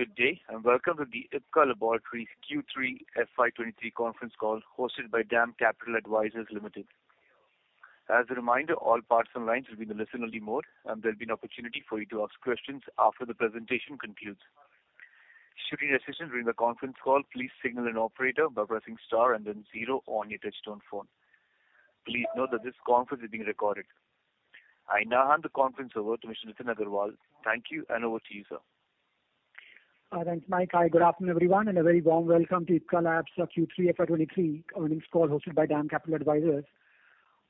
Good day. Welcome to the Ipca Laboratories Q3 FY 2023 Conference Call hosted by DAM Capital Advisors Limited. As a reminder, all participants will be in the listen-only mode, and there'll be an opportunity for you to ask questions after the presentation concludes. Should you need assistance during the conference call, please signal an operator by pressing star and then zero on your touchtone phone. Please note that this conference is being recorded. I now hand the conference over to Mr. Nitin Agarwal. Thank you. Over to you, sir. Thanks, Mike. Hi, good afternoon, everyone, and a very warm welcome to Ipca Labs' Q3 FY23 Earnings Call hosted by DAM Capital Advisors.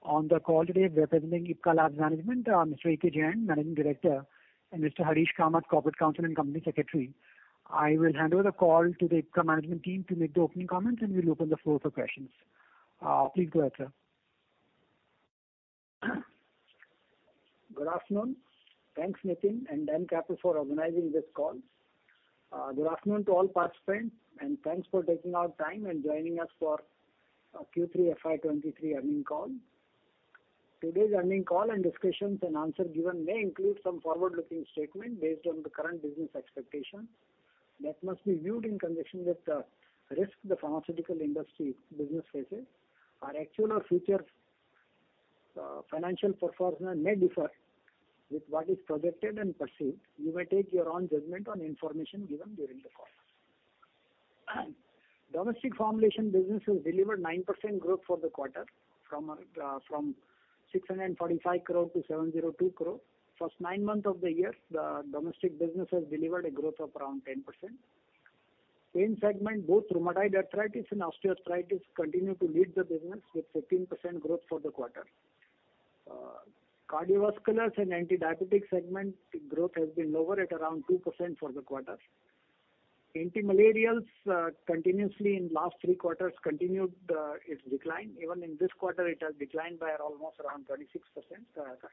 On the call today representing Ipca Labs management, Mr. AK Jain, Managing Director, and Mr. Harish Kamath, Corporate Counsel and Company Secretary. I will hand over the call to the Ipca management team to make the opening comments, and we'll open the floor for questions. Please go ahead, sir. Good afternoon. Thanks, Nitin and DAM Capital for organizing this call. Good afternoon to all participants, and thanks for taking out time and joining us for Q3 FY23 earning call. Today's earning call and discussions and answer given may include some forward-looking statement based on the current business expectations that must be viewed in conjunction with the risks the pharmaceutical industry business faces. Our actual or future financial performance may differ with what is projected and perceived. You may take your own judgment on information given during the call. Domestic formulation business has delivered 9% growth for the quarter from 645 crore to 702 crore. First nine months of the year, the domestic business has delivered a growth of around 10%. In segment, both rheumatoid arthritis and osteoarthritis continue to lead the business with 15% growth for the quarter. Cardiovasculars and antidiabetic segment growth has been lower at around 2% for the quarter. Antimalarials, continuously in last three quarters continued its decline. Even in this quarter it has declined by almost around 36%,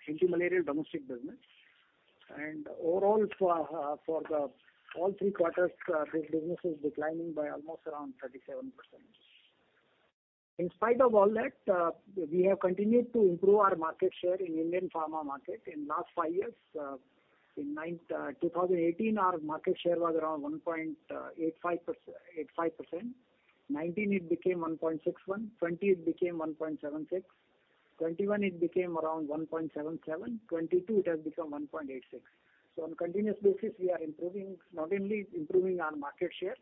antimalarial domestic business. Overall for the all three quarters, this business is declining by almost around 37%. In spite of all that, we have continued to improve our market share in Indian pharma market. In last five years, in 2018, our market share was around 1.85%. 2019, it became 1.61%. 2020, it became 1.76%. 2021, it became around 1.77%. 2022, it has become 1.86%. On continuous basis, we are improving, not only improving our market share,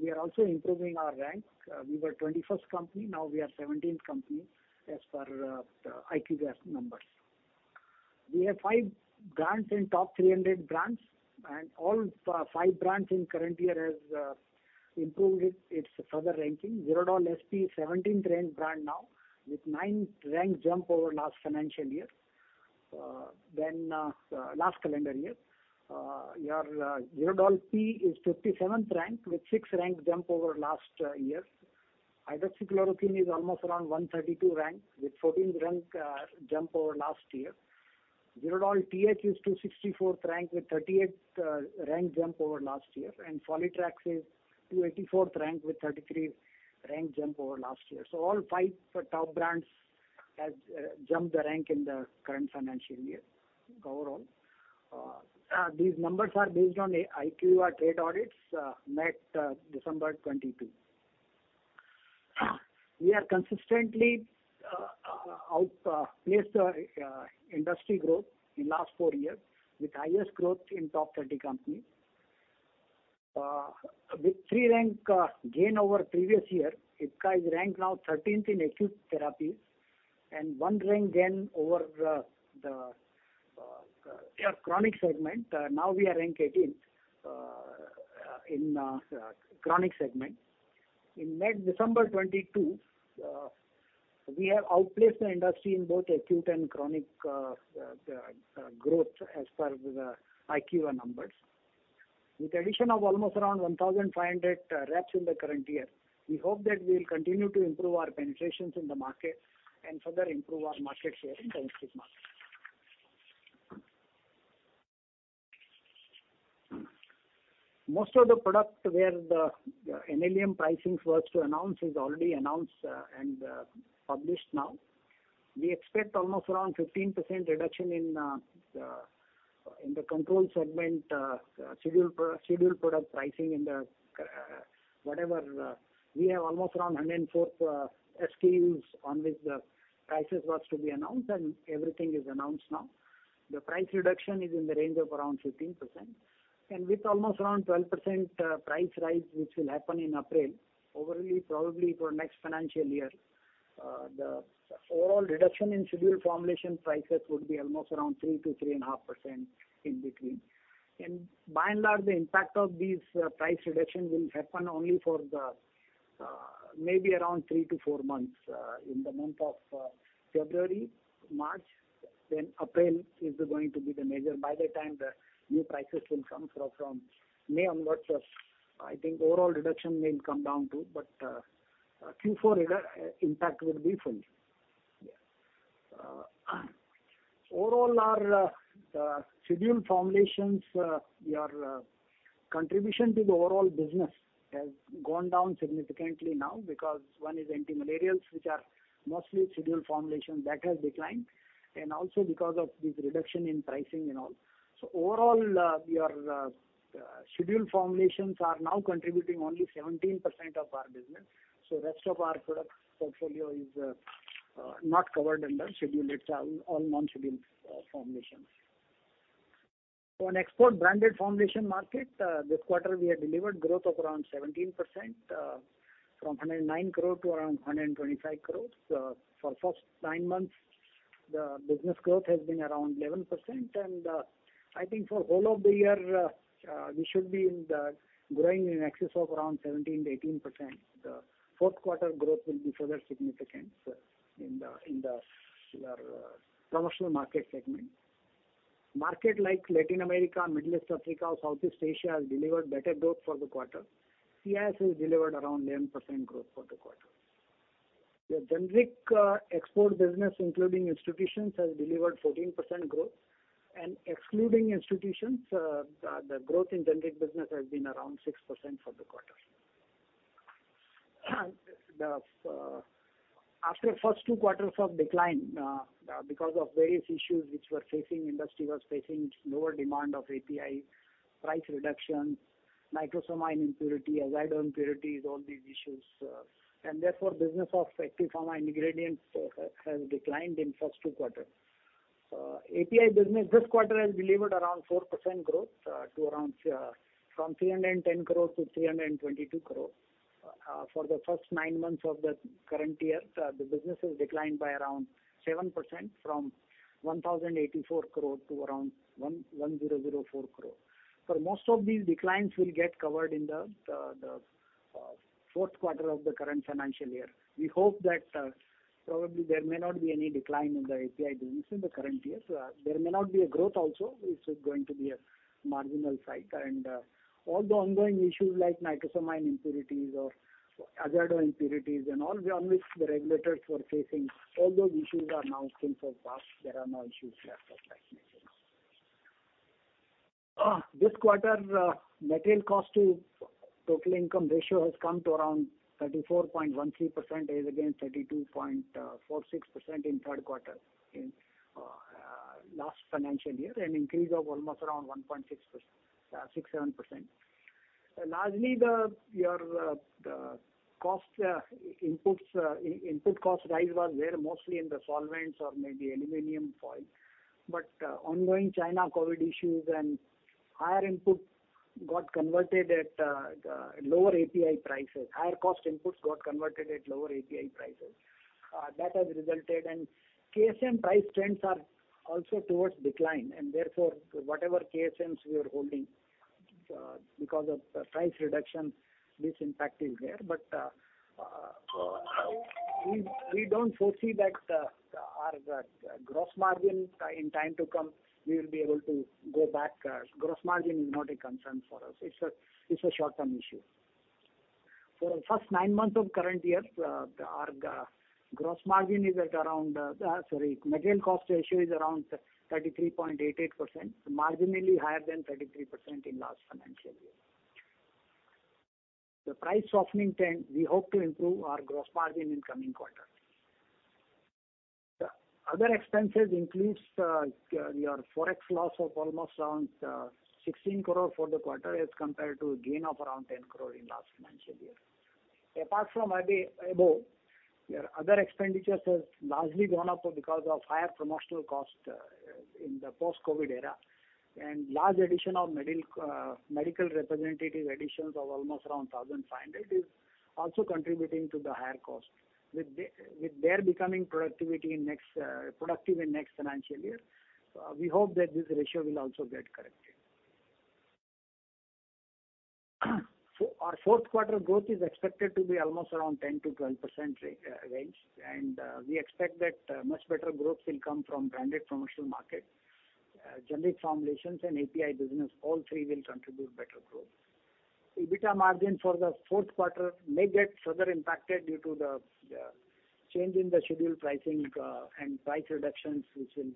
we are also improving our rank. We were 21st company, now we are 17th company as per the IQVIA's numbers. We have five brands in top 300 brands, and all five brands in current year has improved its further ranking. Zerodol-SP is 17th ranked brand now with nine rank jump over last financial year. Last calendar year. Your Zerodol-P is 57th rank with six rank jump over last year. Hydroxychloroquine is almost around 132 rank with 14 rank jump over last year. Zerodol-TH is 264th rank with 38th rank jump over last year. Folitrax is 284th rank with 33 rank jump over last year. All five top brands has jumped the rank in the current financial year overall. These numbers are based on a IQVIA trade audits, met December 2022. We are consistently out placed our industry growth in last four years with highest growth in top 30 companies. With three rank gain over previous year, Ipca is ranked now 13th in acute therapies and one rank gain over the chronic segment. Now we are ranked 18th in chronic segment. In net December 2022, we have outplaced the industry in both acute and chronic growth as per the IQVIA numbers. With addition of almost around 1,500 reps in the current year, we hope that we'll continue to improve our penetrations in the market and further improve our market share in domestic market. Most of the product where the NLEM pricing was to announce is already announced and published now. We expect almost around 15% reduction in the control segment scheduled product pricing in the whatever. We have almost around 104th SKUs on which the prices was to be announced, and everything is announced now. The price reduction is in the range of around 15%. With almost around 12% price rise, which will happen in April, overly probably for next financial year, the overall reduction in scheduled formulation prices would be almost around 3%-3.5% in between. By and large, the impact of these price reductions will happen only for the maybe around three to four months in the month of February, March, then April is going to be the major. By the time the new prices will come from May onwards of, I think overall reduction may come down too. Q4 impact will be full. Overall our the scheduled formulations, your contribution to the overall business has gone down significantly now because one is antimalarials, which are mostly scheduled formulations that has declined, and also because of this reduction in pricing and all. Overall your scheduled formulations are now contributing only 17% of our business. Rest of our product portfolio is not covered under schedule. It's all non-scheduled formulations. On export branded formulation market this quarter we have delivered growth of around 17% from 109 crore to around 125 crore. For first nine months, the business growth has been around 11%. I think for whole of the year, we should be in the growing in excess of around 17%-18%. The Q4 growth will be further significant in your promotional market segment. Market like Latin America, Middle East, Africa, Southeast Asia has delivered better growth for the quarter. CIS has delivered around 11% growth for the quarter. The generic export business, including institutions, has delivered 14% growth. Excluding institutions, the growth in generic business has been around 6% for the quarter. After first two quarters of decline, because of various issues which we're facing, industry was facing lower demand of API, price reduction, Nitrosamine impurity, Azide impurities, all these issues. Therefore, business of active pharma ingredients has declined in first two quarters. API business this quarter has delivered around 4% growth from 310 crore to 322 crore. For the first nine months of the current year, the business has declined by around 7% from 1,084 crore to around 1,004 crore. Most of these declines will get covered in the Q4 of the current financial year. We hope that probably there may not be any decline in the API business in the current year. There may not be a growth also. It's going to be a marginal cycle. All the ongoing issues like Nitrosamine impurities or azide impurities and all the on which the regulators were facing, all those issues are now things of past. There are no issues left as such right now. This quarter, material cost to total income ratio has come to around 34.13% as against 32.46% in Q3 in last financial year, an increase of almost around 1.67%. Largely input cost rise was there mostly in the solvents or maybe aluminum foil. Ongoing China COVID issues and higher input got converted at lower API prices. Higher cost inputs got converted at lower API prices. That has resulted. KSM price trends are also towards decline, whatever KSMs we are holding, because of the price reduction, this impact is there. We don't foresee that our gross margin, in time to come, we will be able to go back. Gross margin is not a concern for us. It's a short-term issue. For our first nine months of current year, material cost ratio is around 33.88%, marginally higher than 33% in last financial year. The price softening trend, we hope to improve our gross margin in coming quarters. The other expenses includes your Forex loss of almost around 16 crore for the quarter as compared to gain of around 10 crore in last financial year. Apart from maybe above, your other expenditures has largely gone up because of higher promotional cost in the post-COVID era. Large addition of medical representative additions of almost around 1,500 is also contributing to the higher cost. With their becoming productive in next financial year, we hope that this ratio will also get corrected. Our Q4 growth is expected to be almost around 10%-12% range, we expect that much better growth will come from branded promotional market. Generic formulations and API business, all three will contribute better growth. EBITDA margin for the Q4 may get further impacted due to the change in the scheduled pricing and price reductions, which will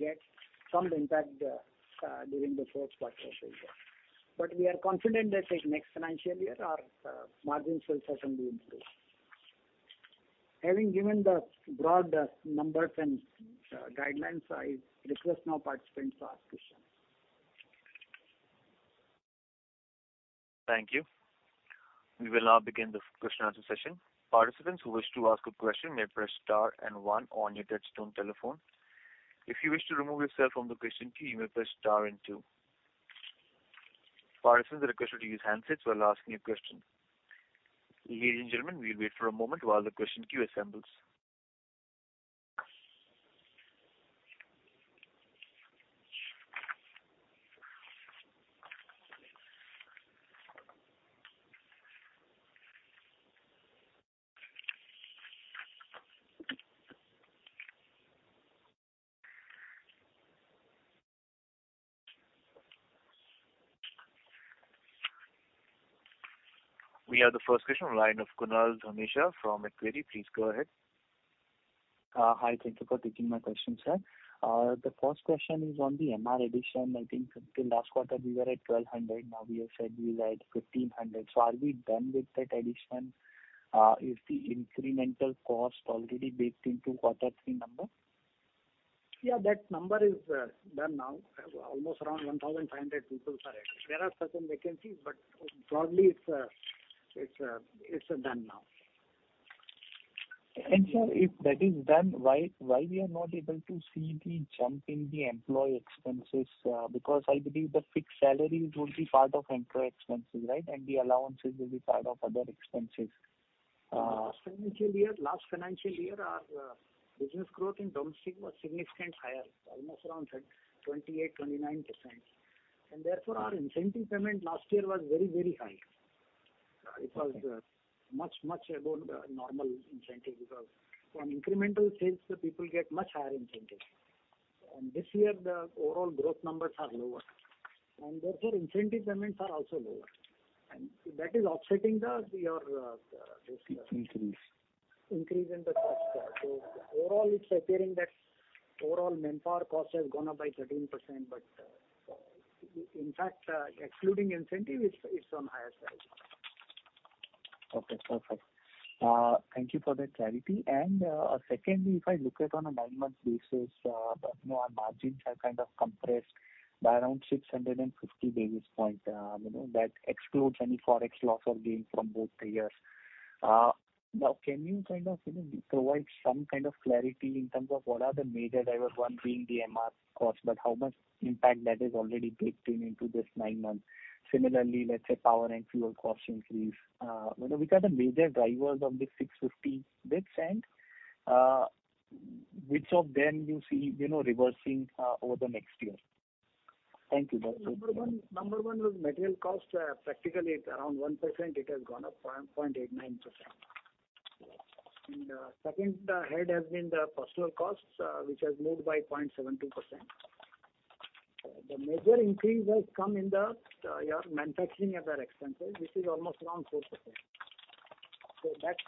get some impact during the Q4 as well. We are confident that in next financial year our margins will certainly improve. Having given the broad numbers and guidelines, I request now participants to ask questions. Thank you. We will now begin the question answer session. Participants who wish to ask a question may press star one on your touchtone telephone. If you wish to remove yourself from the question queue, you may press star two. Participants are requested to use handsets while asking a question. Ladies and gentlemen, we'll wait for a moment while the question queue assembles. We have the first question on line of Kunal Dhamesha from Macquarie. Please go ahead. Hi. Thank you for taking my question, sir. The first question is on the MR addition. I think the last quarter we were at 1,200. Now we have said we were at 1,500. Are we done with that addition? Is the incremental cost already baked into Q3 number? Yeah, that number is done now. Almost around 1,500 people are added. There are certain vacancies, but broadly it's done now. Sir, if that is done, why we are not able to see the jump in the employee expenses? Because I believe the fixed salaries will be part of employee expenses, right? The allowances will be part of other expenses. Financial year, last financial year, our business growth in domestic was significant higher, almost around 28%-29%. Therefore, our incentive payment last year was very high. It was much above the normal incentive because on incremental sales, the people get much higher incentive. This year the overall growth numbers are lower. Therefore incentive payments are also lower. That is offsetting the, your, this. Increase. Increase in the cost. Overall it's appearing that overall manpower cost has gone up by 13%. In fact, excluding incentive, it's on higher side. Okay. Perfect. Thank you for that clarity. Secondly, if I look at on a nine-month basis, you know, our margins have kind of compressed by around 650 basis point. You know, that excludes any Forex loss or gain from both the years. Can you kind of, you know, provide some kind of clarity in terms of what are the major drivers, one being the MR cost, but how much impact that has already baked in into this nine months? Let's say, power and fuel cost increase. You know, which are the major drivers of this 650 basis and which of them you see, you know, reversing over the next year? Thank you. Number one was material cost. Practically it's around 1%, it has gone up from 0.89%. Second head has been the personal costs, which has moved by 0.72%. The major increase has come in the your manufacturing other expenses, which is almost around 4%.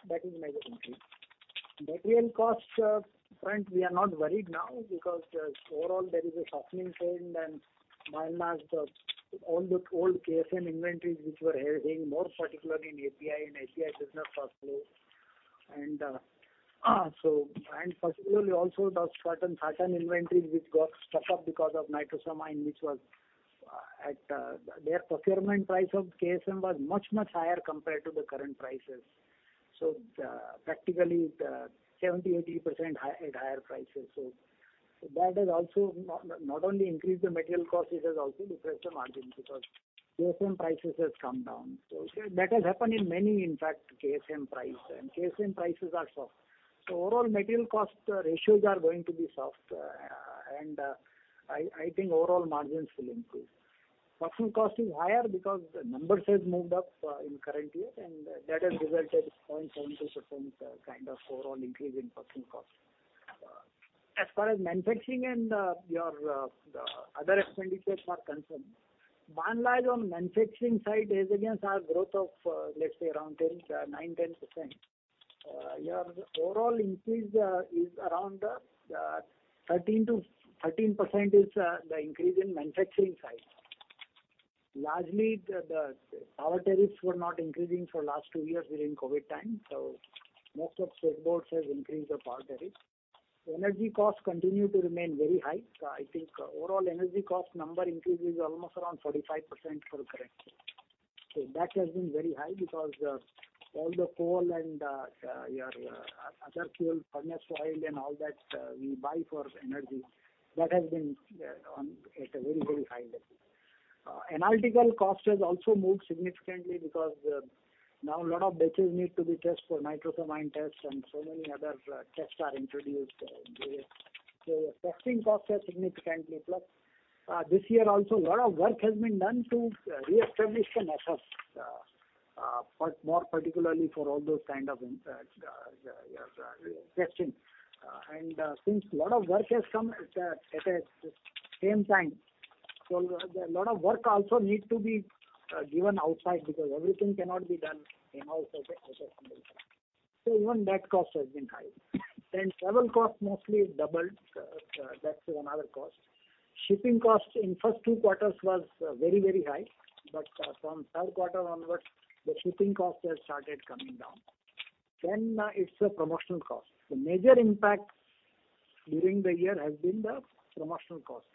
That is major increase. Material cost front we are not worried now because overall there is a softening trend and mile mask, the all the old KSM inventories which were held in more particular in API does not pass through. Particularly also the certain inventories which got stuck up because of nitrosamine, which was at their procurement price of KSM was much, much higher compared to the current prices. Practically it 70%, 80% higher prices. That has also not only increased the material cost, it has also depressed the margins because KSM prices has come down. That has happened in many, in fact, KSM price. KSM prices are soft. Overall material cost ratios are going to be soft. I think overall margins will improve. Personal cost is higher because the numbers has moved up in current year, and that has resulted 0.72% kind of overall increase in personal cost. As far as manufacturing and your other expenditures are concerned, one lies on manufacturing side is against our growth of, let's say around 10%, 9%, 10%. Your overall increase is around 13 to. 13% is the increase in manufacturing side. Largely the power tariffs were not increasing for last two years during COVID time, so most of state boards has increased the power tariffs. Energy costs continue to remain very high. I think overall energy cost number increase is almost around 45% for the current year. That has been very high because all the coal and your other fuel, furnace oil and all that, we buy for energy, that has been on at a very, very high level. Analytical cost has also moved significantly because now a lot of batches need to be tested for nitrosamine tests and so many other tests are introduced in the year. Testing costs has significantly plus, this year also a lot of work has been done to reestablish the methods, but more particularly for all those kind of in, yeah, testing. Since a lot of work has come at the same time, a lot of work also need to be given outside because everything cannot be done in-house as a company. Even that cost has been high. Travel cost mostly doubled. That's another cost. Shipping cost in first two quarters was very, very high, but from Q3 onwards the shipping cost has started coming down. It's a promotional cost. The major impact during the year has been the promotional cost.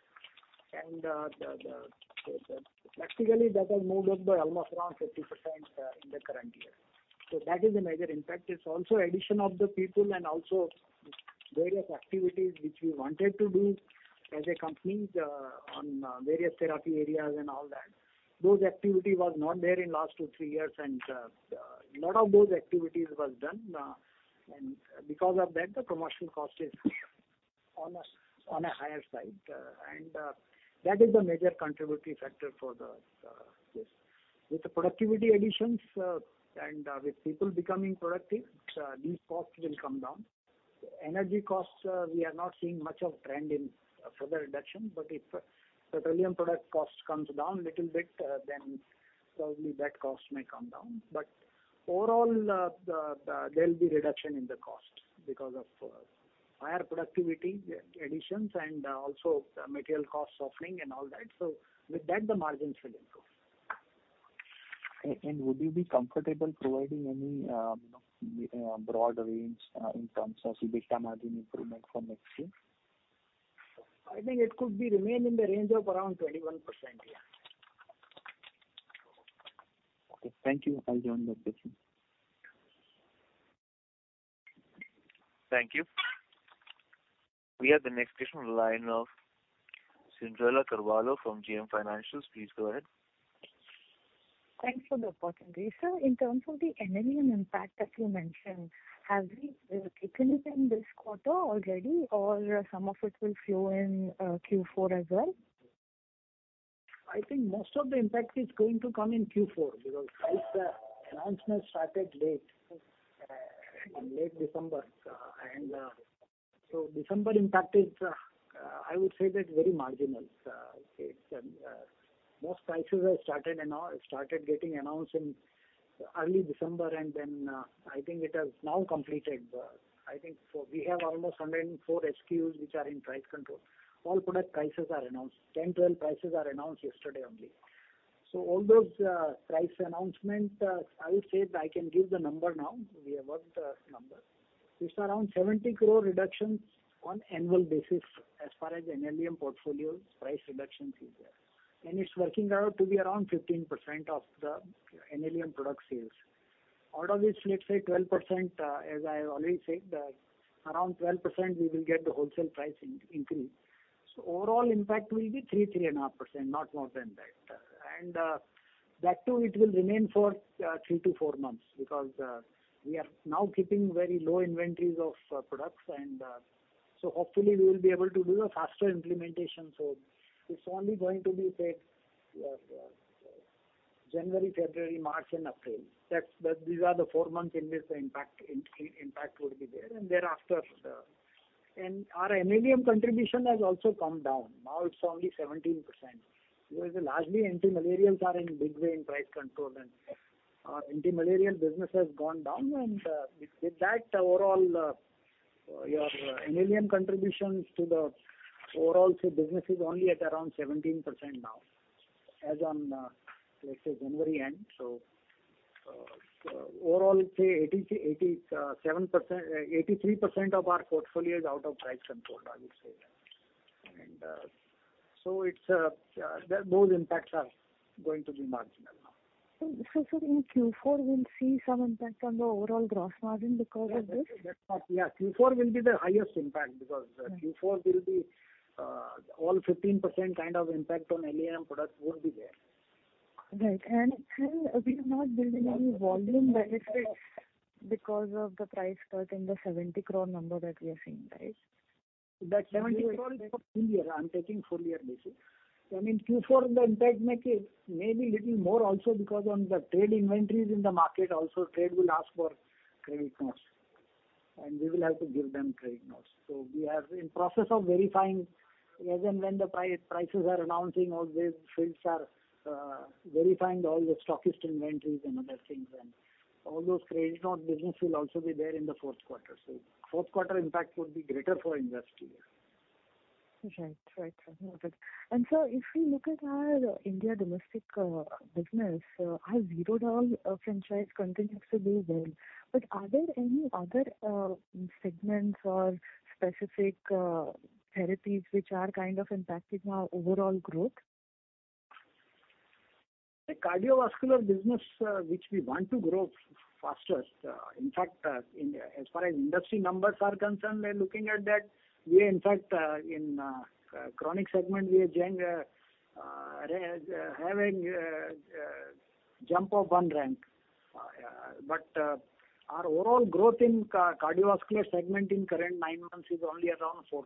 Practically that has moved up by almost around 50% in the current year. That is a major impact. It's also addition of the people and also various activities which we wanted to do as a company on various therapy areas and all that. Those activity was not there in last two, three years. Lot of those activities was done. Because of that, the promotional cost is on a higher side. That is the major contributing factor for this. With the productivity additions, with people becoming productive, these costs will come down. Energy costs, we are not seeing much of trend in further reduction. If petroleum product cost comes down little bit, then probably that cost may come down. Overall, there'll be reduction in the cost because of higher productivity additions and also material costs softening and all that. With that, the margins will improve. Would you be comfortable providing any, you know, broad range, in terms of EBITDA margin improvement from next year? I think it could be remain in the range of around 21%, yeah. Okay, thank you. I'll join the next person. Thank you. We have the next question on the line of Cyndrella Carvalho from JM Financial. Please go ahead. Thanks for the opportunity. Sir, in terms of the NLEM impact that you mentioned, have we taken it in this quarter already or some of it will flow in Q4 as well? I think most of the impact is going to come in Q4 because price announcement started late in late December. I would say that December impact is very marginal. It's most prices have started getting announced in early December, and then I think it has now completed. I think so we have almost 104 SKUs which are in price control. All product prices are announced. 10, 12 prices are announced yesterday only. All those price announcement, I will say I can give the number now. We have worked the number. It's around 70 crore reductions on annual basis as far as NLEM portfolio price reductions is there. It's working out to be around 15% of the NLEM product sales. Out of this, let's say 12%, as I have already said, around 12% we will get the wholesale price increase. Overall impact will be 3.5%, not more than that. That too it will remain for three to four months because we are now keeping very low inventories of products, so hopefully we will be able to do a faster implementation. It's only going to be said, January, February, March and April. These are the four months in which the impact would be there. Thereafter, our NLEM contribution has also come down. Now it's only 17%. Because largely anti-malarials are in big way in price control and anti-malarial business has gone down. With that, overall, your NLEM contributions to the overall business is only at around 17% now, as on January end. Overall 83% of our portfolio is out of price control, I would say. It's that those impacts are going to be marginal now. In Q4 we'll see some impact on the overall gross margin because of this? Yeah. Q4 will be the highest impact because Q4 will be, all 15% kind of impact on NLEM products would be there. Right. We're not building any volume benefits because of the price cut in the 70 crore number that we are seeing, right? That 70 crore is for full year. I'm taking full year basis. I mean, Q4 the impact maybe little more also because on the trade inventories in the market also trade will ask for trade notes, and we will have to give them trade notes. We are in process of verifying as and when the prices are announcing, all the fields are verifying all the stockist inventories and other things. All those trade note business will also be there in the Q4. Q4 impact would be greater for industry. Right. Right, sir. Noted. Sir, if we look at our India domestic business, our Zerodol franchise continues to do well. Are there any other segments or specific therapies which are kind of impacting our overall growth? The cardiovascular business, which we want to grow faster. In fact, as far as industry numbers are concerned, by looking at that, we in fact, in chronic segment we are having a jump of one rank. Our overall growth in cardiovascular segment in current nine months is only around 4%.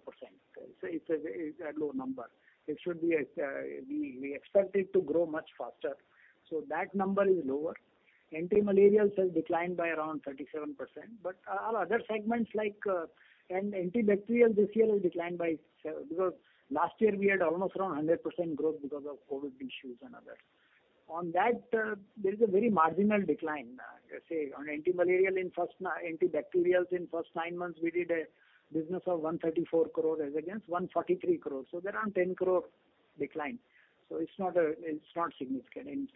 It's a low number. It should be, we expect it to grow much faster. That number is lower. Anti-malarials has declined by around 37%. Our other segments like an antibacterial this year has declined because last year we had almost around 100% growth because of COVID issues and others. On that, there is a very marginal decline. Say on anti-malarial in first nine months antibacterials in first nine months we did a business of 134 crore as against 143 crore. Around 10 crore decline. It's not a, it's not significant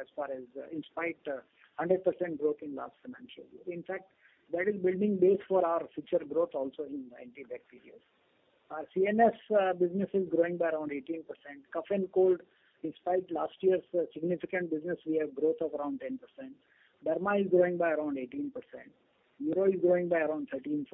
as far as in spite of 100% growth in last financial year. In fact, that is building base for our future growth also in antibacterials. Our CNS business is growing by around 18%. Cough and cold, in spite last year's significant business, we have growth of around 10%. Derma is growing by around 18%. Neuro is growing by around 13%.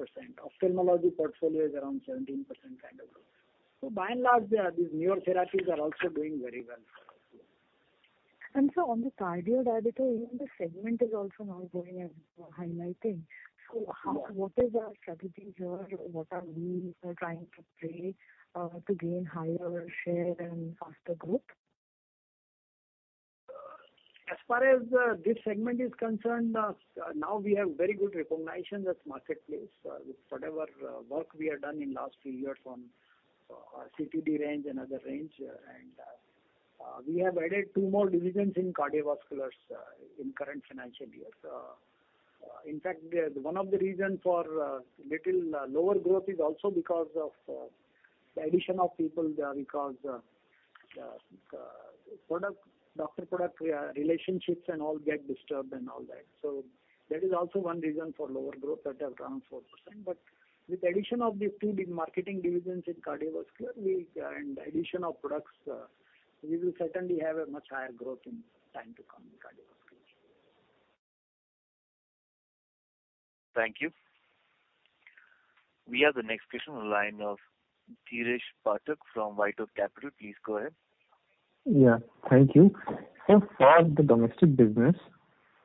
Ophthalmology portfolio is around 17% kind of growth. By and large, yeah, these newer therapies are also doing very well for us. Sir, on the cardio diabetic, even the segment is also now growing and highlighting. How. Yeah. What is our strategies here? What are we trying to create to gain higher share and faster growth? As far as this segment is concerned, now we have very good recognition in the marketplace, with whatever work we have done in last few years on CTD range and other range. We have added two more divisions in cardiovasculars in current financial year. In fact, the one of the reason for little lower growth is also because of the addition of people there because doctor-product relationships and all get disturbed and all that. That is also one reason for lower growth that have grown 4%. With the addition of these two big marketing divisions in cardiovascular, we and addition of products, we will certainly have a much higher growth in time to come in cardiovascular. Thank you. We have the next question on the line of Dheeresh Pathak from WhiteOak Capital. Please go ahead. Thank you. For the domestic business,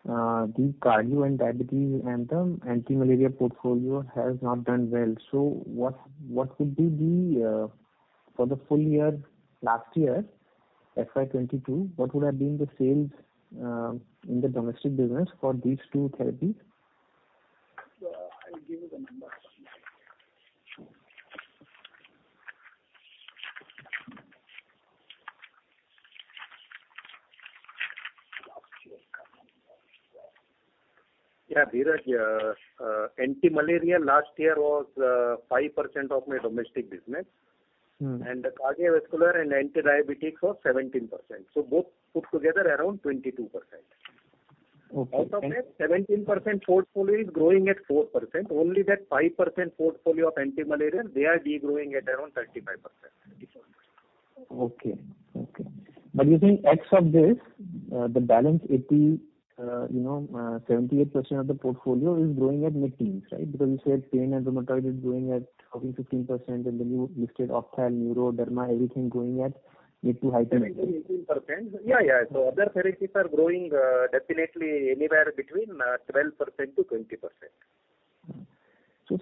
the cardio and diabetes and the anti-malaria portfolio has not done well. What would be the for the full year last year, FY 2022, what would have been the sales in the domestic business for these two therapies? I'll give you the numbers. Yeah, Dheeresh, anti-malaria last year was 5% of my domestic business. Mm. The cardiovascular and anti-diabetes was 17%. Both put together around 22%. Okay. Out of that 17% portfolio is growing at 4%. Only that 5% portfolio of anti-malaria, they are degrowing at around 35%. Okay. Okay. You think X of this, the balance 80, you know, 78% of the portfolio is growing at mid-teens, right? You said pain and rheumatoid is growing at 14%-15% and the new listed opthal, neuro, derma, everything growing at mid to high-teens. 18%. Yeah. Other therapies are growing, definitely anywhere between 12%-20%.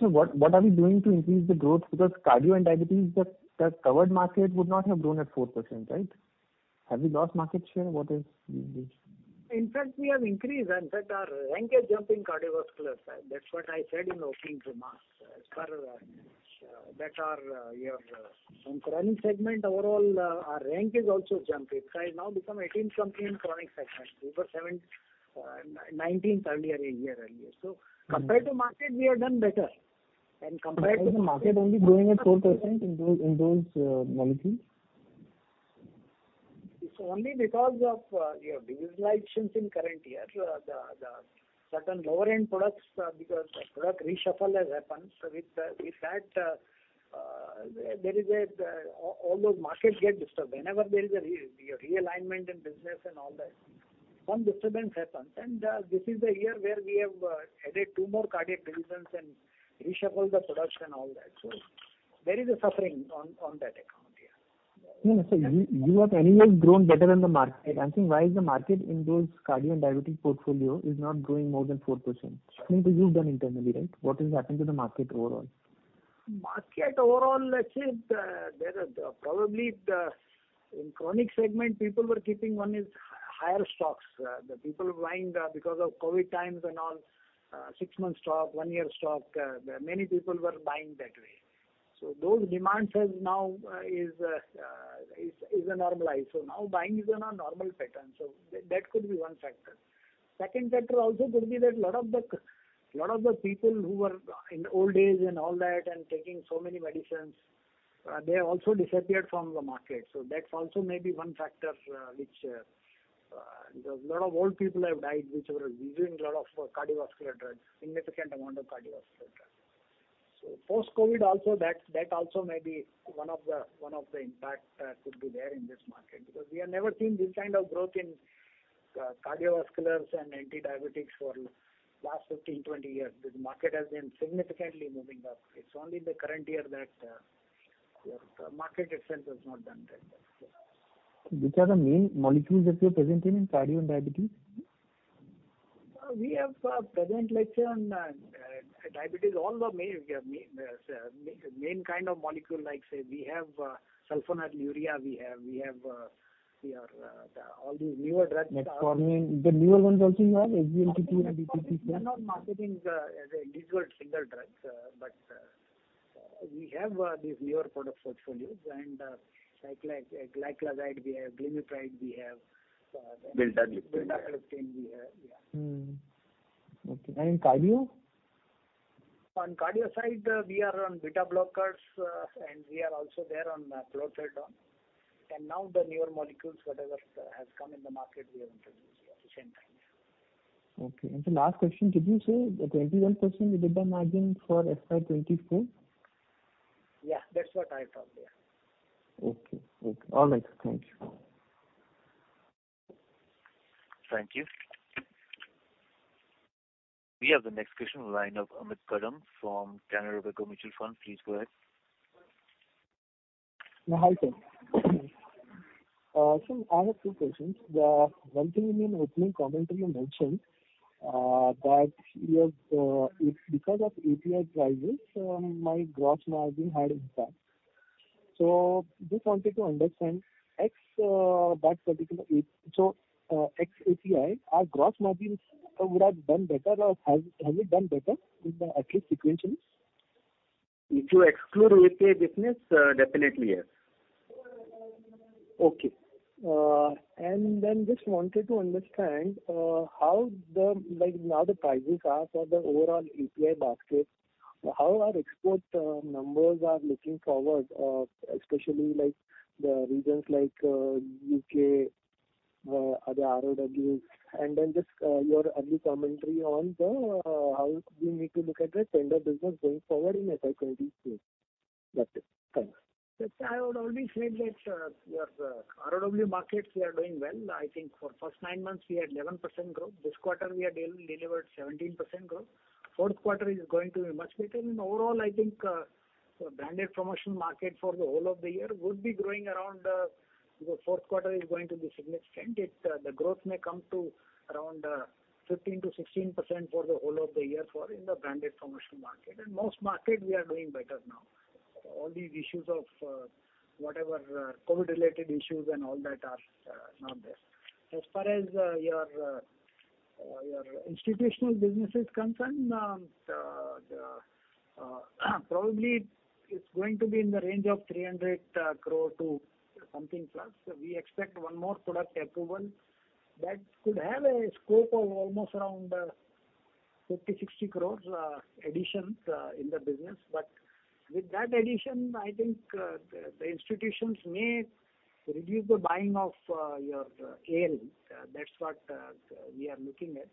What are we doing to increase the growth? Because cardio and diabetes, the covered market would not have grown at 4%, right? Have we lost market share? What is the reason? In fact, we have increased. In fact, our rank has jumped in cardiovasculars. That's what I said in opening remarks. As per that our your chronic segment overall, our rank is also jumped. It has now become eighteenth company in chronic segment. We were seventh, nineteenth earlier year earlier. Compared to market, we have done better. Compared to. Is the market only growing at 4% in those molecules? It's only because of your business actions in current year. The certain lower-end products, because product reshuffle has happened. With that, All those markets get disturbed. Whenever there is a realignment in business and all that, some disturbance happens. This is the year where we have added two more cardiac divisions and reshuffled the products and all that. There is a suffering on that account, yeah. No, no. You have anyways grown better than the market. I'm saying why is the market in those cardio and diabetic portfolio is not growing more than 4%? Something to do with them internally, right? What has happened to the market overall? Market overall, let's say, in chronic segment, people were keeping on higher stocks. The people buying, because of COVID times and all, six months stock, one year stock, many people were buying that way. Those demands has now normalized. Now buying is on a normal pattern. That could be 1 factor. Second factor also could be that a lot of the people who were in old age and all that and taking so many medicines, they have also disappeared from the market. That's also maybe one factor, which lot of old people have died, which were using lot of cardiovascular drugs, significant amount of cardiovascular drugs. Post-COVID also that also may be one of the impact could be there in this market. We have never seen this kind of growth in cardiovasculars and anti-diabetics for last 15, 20 years. This market has been significantly moving up. It's only in the current year that your market itself has not done that well. Which are the main molecules that you're presenting in cardio and diabetes? We have present, let's say on diabetes, all the main kind of molecule, like say we have sulfonylurea, we have your, the, all these newer drugs Metformin. The newer ones also you have? SGLT or DPPs? Metformin we're not marketing as a discrete single drugs. we have these newer product portfolios and Gliclazide we have, glimepiride we have. Vildagliptin. Vildagliptin we have. Yeah. Okay. In cardio? On cardio side, we are on beta blockers, and we are also there on clopidogrel. Now the newer molecules, whatever has come in the market, we have introduced, yeah, same time. Okay. last question, did you say a 21% EBITDA margin for FY 2024? Yeah, that's what I told, yeah. Okay. Okay. All right. Thank you. Thank you. We have the next question on the line of Amit Kadam from Canara Robeco Mutual Fund. Please go ahead. Hi, sir. I have two questions. One thing in your opening comment you mentioned that your it's because of API prices, my gross margin had impact. Just wanted to understand ex-API, our gross margins would have done better or has it done better in the at least sequentially? If you exclude API business, definitely yes. Okay. Just wanted to understand how the like now the prices are for the overall API basket, how our export numbers are looking forward, especially like the regions like UK, the ROW. Just your early commentary on the how we need to look at the tender business going forward in FY 2024. That's it. Thanks. Yes, I would only say that your ROW markets we are doing well. I think for first nine months we had 11% growth. This quarter we had delivered 17% growth. Q4 is going to be much better. Overall, I think the branded promotion market for the whole of the year would be growing around, the Q4 is going to be significant. It, the growth may come to around 15%-16% for the whole of the year for in the branded promotion market. Most market we are doing better now. All these issues of whatever COVID-related issues and all that are not there. As far as your institutional business is concerned, probably it's going to be in the range of 300 crore to something plus. We expect one more product approval that could have a scope of almost around 50 crores-60 crores addition in the business. With that addition, I think the institutions may reduce the buying of your Artemether-Lumefantrine. That's what we are looking at.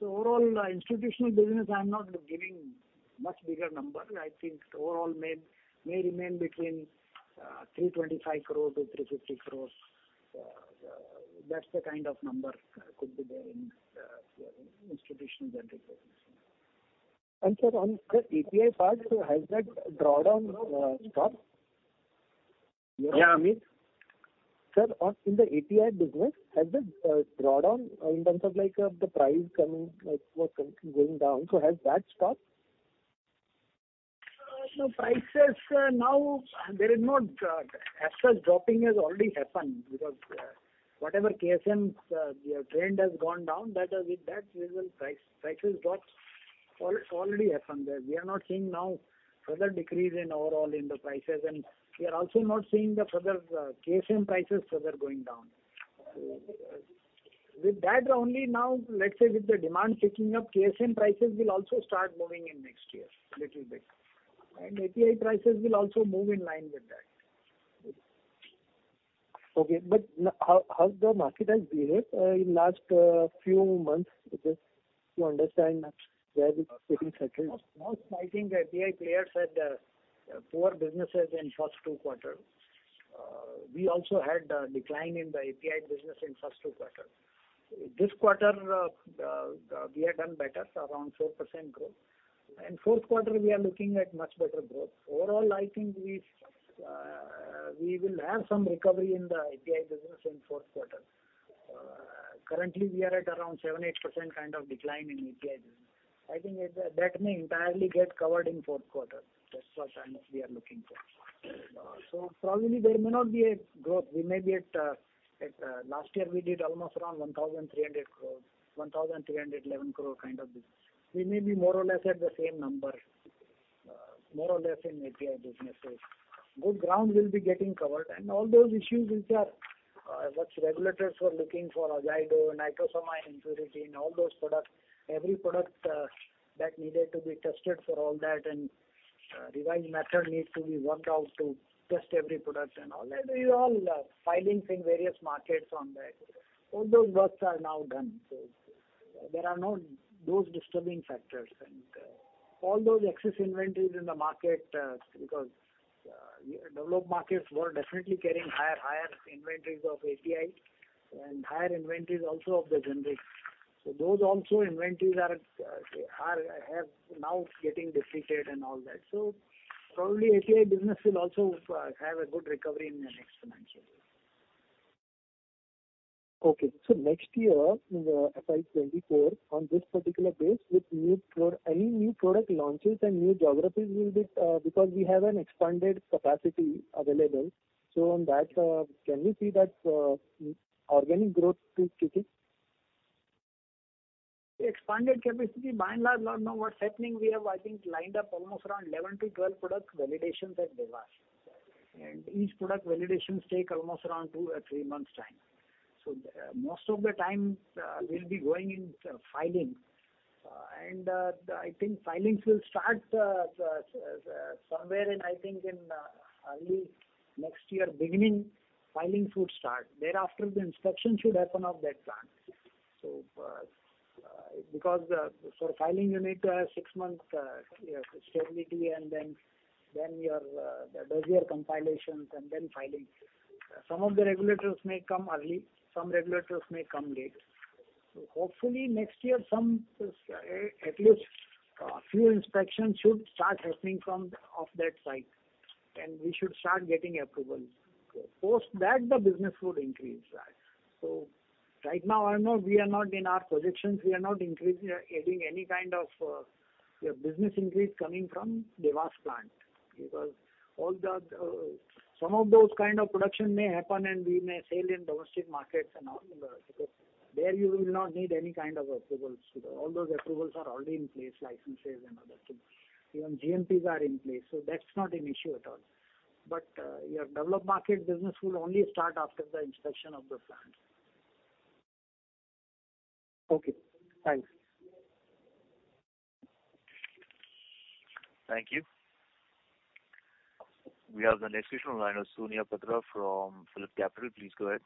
The overall institutional business, I'm not giving much bigger number. I think overall may remain between 325 crore-350 crores. That's the kind of number could be there in your institutional category. Sir, on the API part, has that drawdown stopped? Yeah. Sir, in the API business, has the drawdown in terms of like the price coming like going down, has that stopped? Prices now there is no drop. As such dropping has already happened because whatever KSM we have trend has gone down. That is with that we will price. Prices drop already happened there. We are not seeing now further decrease in overall in the prices. We are also not seeing the further KSM prices further going down. With that only now let's say with the demand picking up, KSM prices will also start moving in next year little bit, and API prices will also move in line with that. Okay. How the market has behaved in last few months just to understand where it's getting settled? Most I think API players had poor businesses in first two quarter. We also had a decline in the API business in first two quarter. This quarter, we have done better around 4% growth. In Q4 we are looking at much better growth. Overall, I think we will have some recovery in the API business in Q4. Currently we are at around 7%-8% kind of decline in API business. I think that may entirely get covered in Q4. That's what I know we are looking for. Probably there may not be a growth. We may be at last year we did almost around 1,300 crores, 1,311 crore kind of business. We may be more or less at the same number, more or less in API businesses. Good ground will be getting covered. All those issues which are, what regulators were looking for azido, Nitrosamine impurity in all those products, every product that needed to be tested for all that and revised method needs to be worked out to test every product and all that. These all filings in various markets on that. All those works are now done. There are no those disturbing factors. All those excess inventories in the market, because developed markets were definitely carrying higher inventories of API and higher inventories also of the generic. Those also inventories are now getting depleted and all that. Probably API business will also have a good recovery in the next financial year. Okay. Next year in the FY 2024 on this particular base with any new product launches and new geographies will be because we have an expanded capacity available. On that, can we see that organic growth to kick in? Expanded capacity by and large now what's happening we have I think lined up almost around 11 to 12 product validations at Dewas. Each product validations take almost around two or three months time. The most of the time will be going in filing. I think filings will start somewhere in I think in early next year beginning filings would start. Thereafter the inspection should happen of that plant. Because for filing you need to have six months stability and then your dossier compilations and then filings. Some of the regulators may come early, some regulators may come late. Hopefully next year some at least a few inspections should start happening from of that site and we should start getting approvals. Post that the business would increase. Right now I know we are not in our positions, we are not increasing doing any kind of, Your business increase coming from Dewas plant because all the, some of those kind of production may happen and we may sell in domestic markets and all because there you will not need any kind of approvals. All those approvals are already in place, licenses and other things. Even GMPs are in place, that's not an issue at all. Your developed market business will only start after the inspection of the plant. Okay, thanks. Thank you. We have the next question online from Surya Patra from PhillipCapital. Please go ahead.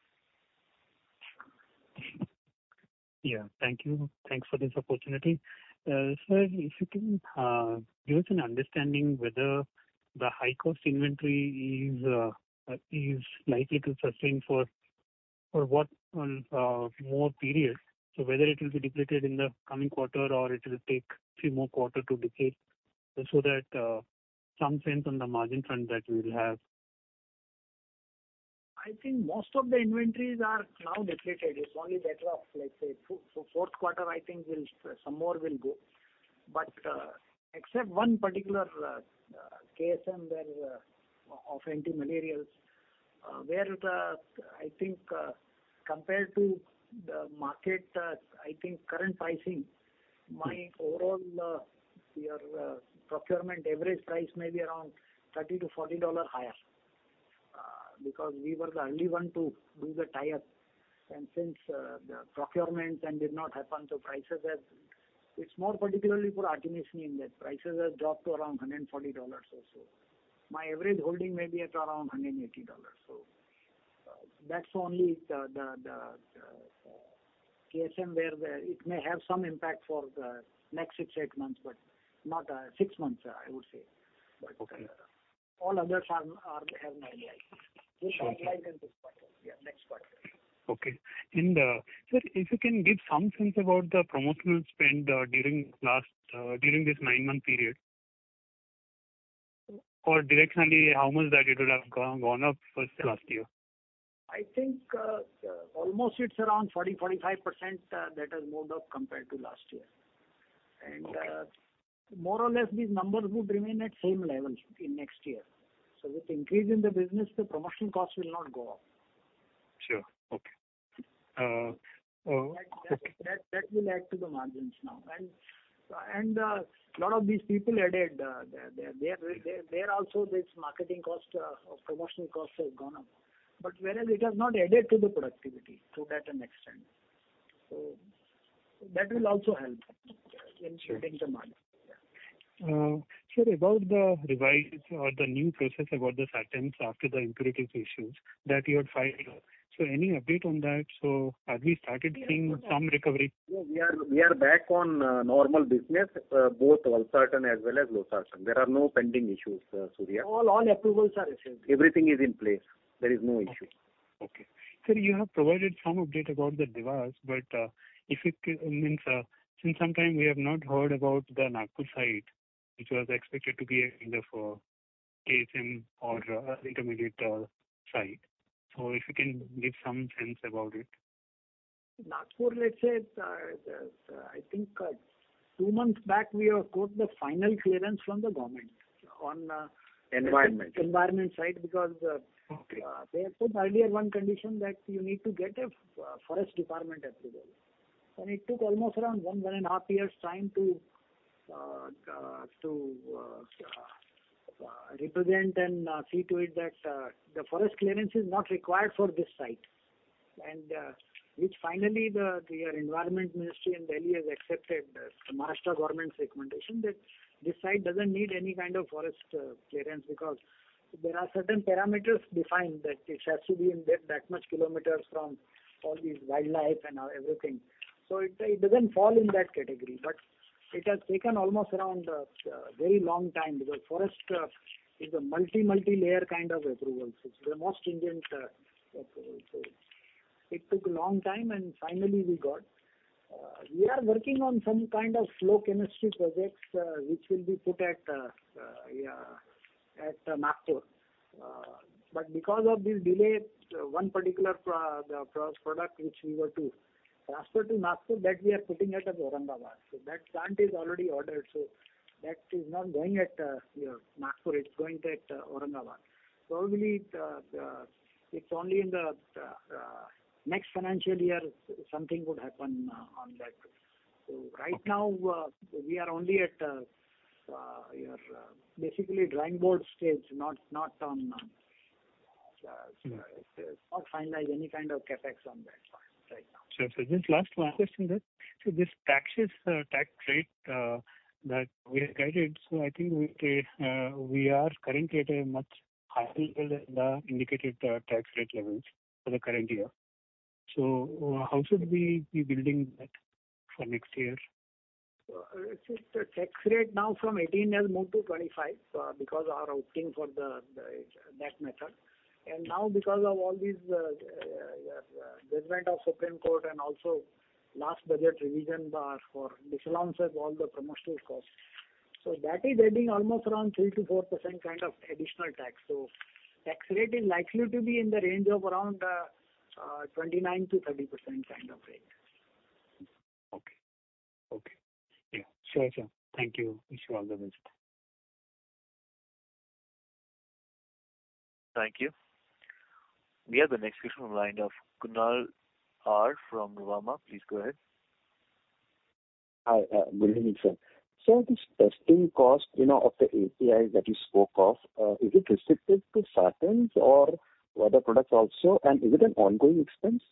Yeah. Thank you. Thanks for this opportunity. Sir, if you can give us an understanding whether the high cost inventory is likely to sustain for what more period. Whether it will be depleted in the coming quarter or it will take few more quarter to deplete. That some sense on the margin front that we'll have. I think most of the inventories are now depleted. It's only a matter of, let's say, Q4, I think we'll some more will go. Except one particular KSM where of anti-malaria where the I think compared to the market, I think current pricing, my overall, your procurement average price may be around $30-$40 higher. Because we were the only one to do the tie-up. Since the procurements and did not happen, prices have. It's more particularly for Artemisinin that prices have dropped to around $140 or so. My average holding may be at around $180. So that's only the KSM where the it may have some impact for the next six, eight months, but not six months, I would say. All others they have normalized. Okay. They normalized in this quarter. Yeah, next quarter. Okay. Sir, if you can give some sense about the promotional spend during this nine-month period? Directionally, how much that it would have gone up versus last year? I think, almost it's around 40, 45% that has moved up compared to last year. Okay. More or less these numbers would remain at same level in next year. With increase in the business, the promotional cost will not go up. Sure. Okay. That will add to the margins now. Lot of these people added, there also this marketing cost or promotional costs have gone up. Whereas it has not added to the productivity to that an extent. That will also help in shaping the margin. Yeah. Sir, about the revised or the new process about the sartans after the impurities issues that you had filed. Any update on that? Have you started seeing some recovery? No, we are back on normal business, both valsartan as well as losartan. There are no pending issues, Surya. All approvals are in place. Everything is in place. There is no issue. Okay. Sir, you have provided some update about the Dewas. Means, since some time we have not heard about the Nagpur site, which was expected to be a kind of KSM or intermediate site. If you can give some sense about it. Nagpur, let's say, I think, two months back we have got the final clearance from the government on. Environment. Environment side because. Okay. They had put earlier one condition that you need to get a forest department approval. It took almost around 1.5 years time to represent and see to it that the forest clearance is not required for this site. Which finally the, your Environment Ministry in Delhi has accepted the Maharashtra government's recommendation that this site doesn't need any kind of forest clearance because there are certain parameters defined that it has to be in depth that much kilometers from all these wildlife and everything. It doesn't fall in that category. It has taken almost around very long time because forest is a multi-layer kind of approval. It's the most stringent approval. It took a long time, and finally we got. We are working on some kind of flow chemistry projects, which will be put at Nagpur. Because of this delay, one particular product which we were to transfer to Nagpur that we are putting it at Aurangabad. That plant is already ordered, so that is not going at your Nagpur, it's going at Aurangabad. Probably it's only in the next financial year something would happen on that. Right now, we are only at your basically drawing board stage, not on it's not finalized any kind of CapEx on that front right now. Sure, sir. Just last one question, sir. This taxes, tax rate that we have guided. I think we are currently at a much higher level than the indicated tax rate levels for the current year. How should we be building that for next year? Since the tax rate now from 18 has moved to 25, because our opting for the that method. Now because of all these judgment of Supreme Court and also last budget revision bar for disallowance of all the promotional costs. That is adding almost around 3%-4% kind of additional tax. Tax rate is likely to be in the range of around 29%-30% kind of range. Okay. Okay. Yeah. Sure, sir. Thank you. Wish you all the best. Thank you. We have the next question on the line of Kunal R from Nuvama. Please go ahead. Hi. Good evening, sir. This testing cost, you know, of the API that you spoke of, is it restricted to sartans or other products also? Is it an ongoing expense?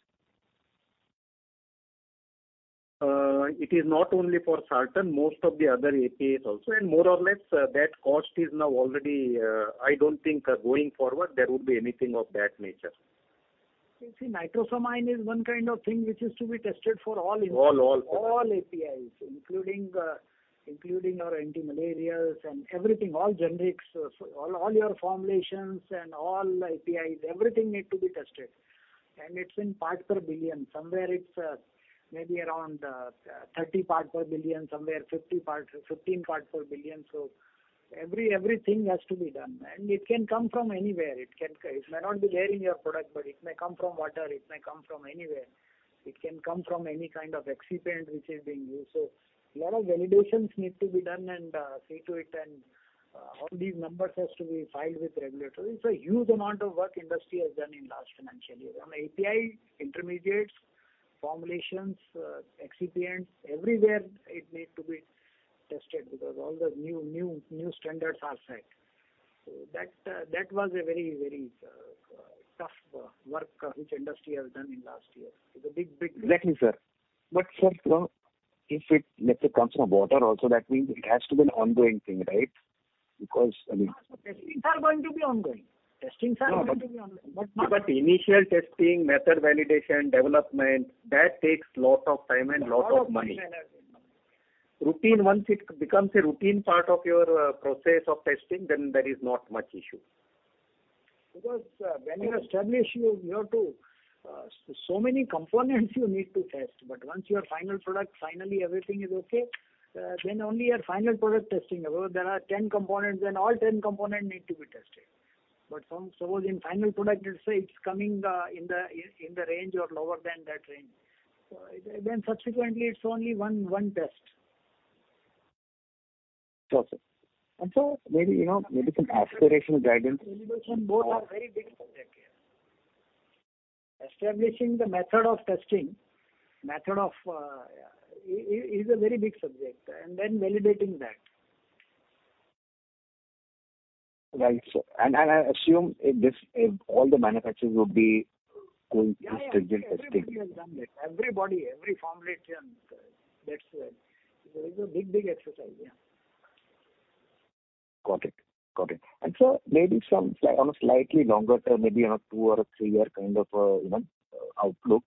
it is not only for sartans, most of the other APIs also, and more or less, that cost is now already, I don't think, going forward, there would be anything of that nature. You see, nitrosamine is one kind of thing which is to be tested for all APIs. All. All APIs, including our antimalarials and everything, all generics, all your formulations and all APIs, everything need to be tested. It's in parts per billion. Somewhere it's, maybe around, 30 parts per billion, somewhere 15 parts per billion. Everything has to be done. It can come from anywhere. It may not be there in your product, but it may come from water, it may come from anywhere. It can come from any kind of excipient which is being used. A lot of validations need to be done and, see to it and, all these numbers has to be filed with regulators. It's a huge amount of work industry has done in last financial year. On API, intermediates, formulations, excipients, everywhere it need to be tested because all the new standards are set. That was a very tough work which industry has done in last year. It's a big. Exactly, sir. Sir, you know, if it, let's say, comes from water also, that means it has to be an ongoing thing, right? Because, I mean. Yes. Testings are going to be ongoing. No, initial testing, method validation, development, that takes lot of time and lot of money. Lot of money and energy. Routine, once it becomes a routine part of your process of testing, then there is not much issue. When you establish, you have to so many components you need to test. Once your final product, finally everything is okay, then only your final product testing. Suppose there are 10 components, then all 10 component need to be tested. From, suppose in final product, let's say it's coming, in the range or lower than that range. It. Subsequently it's only one test. Sure, sir. Sir, maybe, you know, maybe some aspirational guidance. Validation, both are very big subject. Establishing the method of testing, method of, is a very big subject, and then validating that. Right. I assume if all the manufacturers would be going through stringent testing. Yeah, yeah. Everybody has done that. Everybody, every formulation, that's. It's a big exercise. Yeah. Got it. Got it. Sir, maybe some slight, on a slightly longer term, maybe on a two or a three-year kind of a, you know, outlook,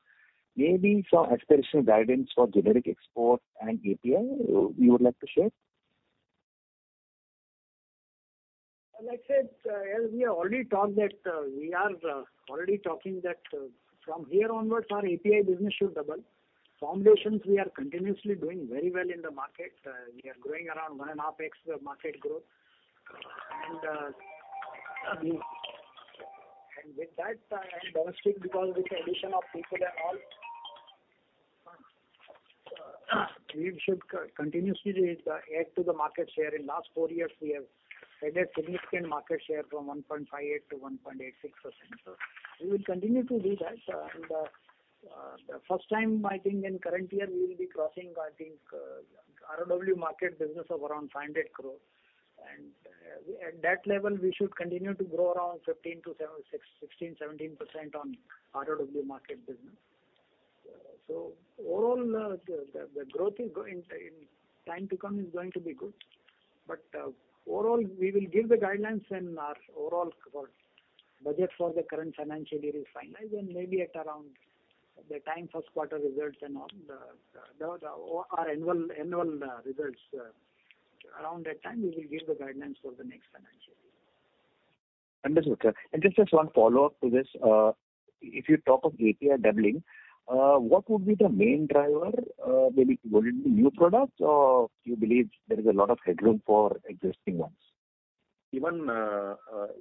maybe some aspirational guidance for generic export and API you would like to share? Like I said, as we have already talked that, we are already talking that from here onwards our API business should double. Formulations we are continuously doing very well in the market. We are growing around 1.5x the market growth. With that, and domestic because with the addition of people and all, we should continuously add to the market share. In last four years we have added significant market share from 1.58%-1.86%. We will continue to do that. The first time I think in current year we will be crossing I think, ROW market business of around 500 crore. At that level we should continue to grow around 15%-17% on ROW market business. Overall, the growth in time to come is going to be good. Overall we will give the guidelines when our overall budget for the current financial year is finalized and maybe at around the time Q1 results and all our annual results. Around that time we will give the guidance for the next financial year. Understood, sir. Just one follow-up to this. If you talk of API doubling, what would be the main driver? Maybe would it be new products or do you believe there is a lot of headroom for existing ones? Even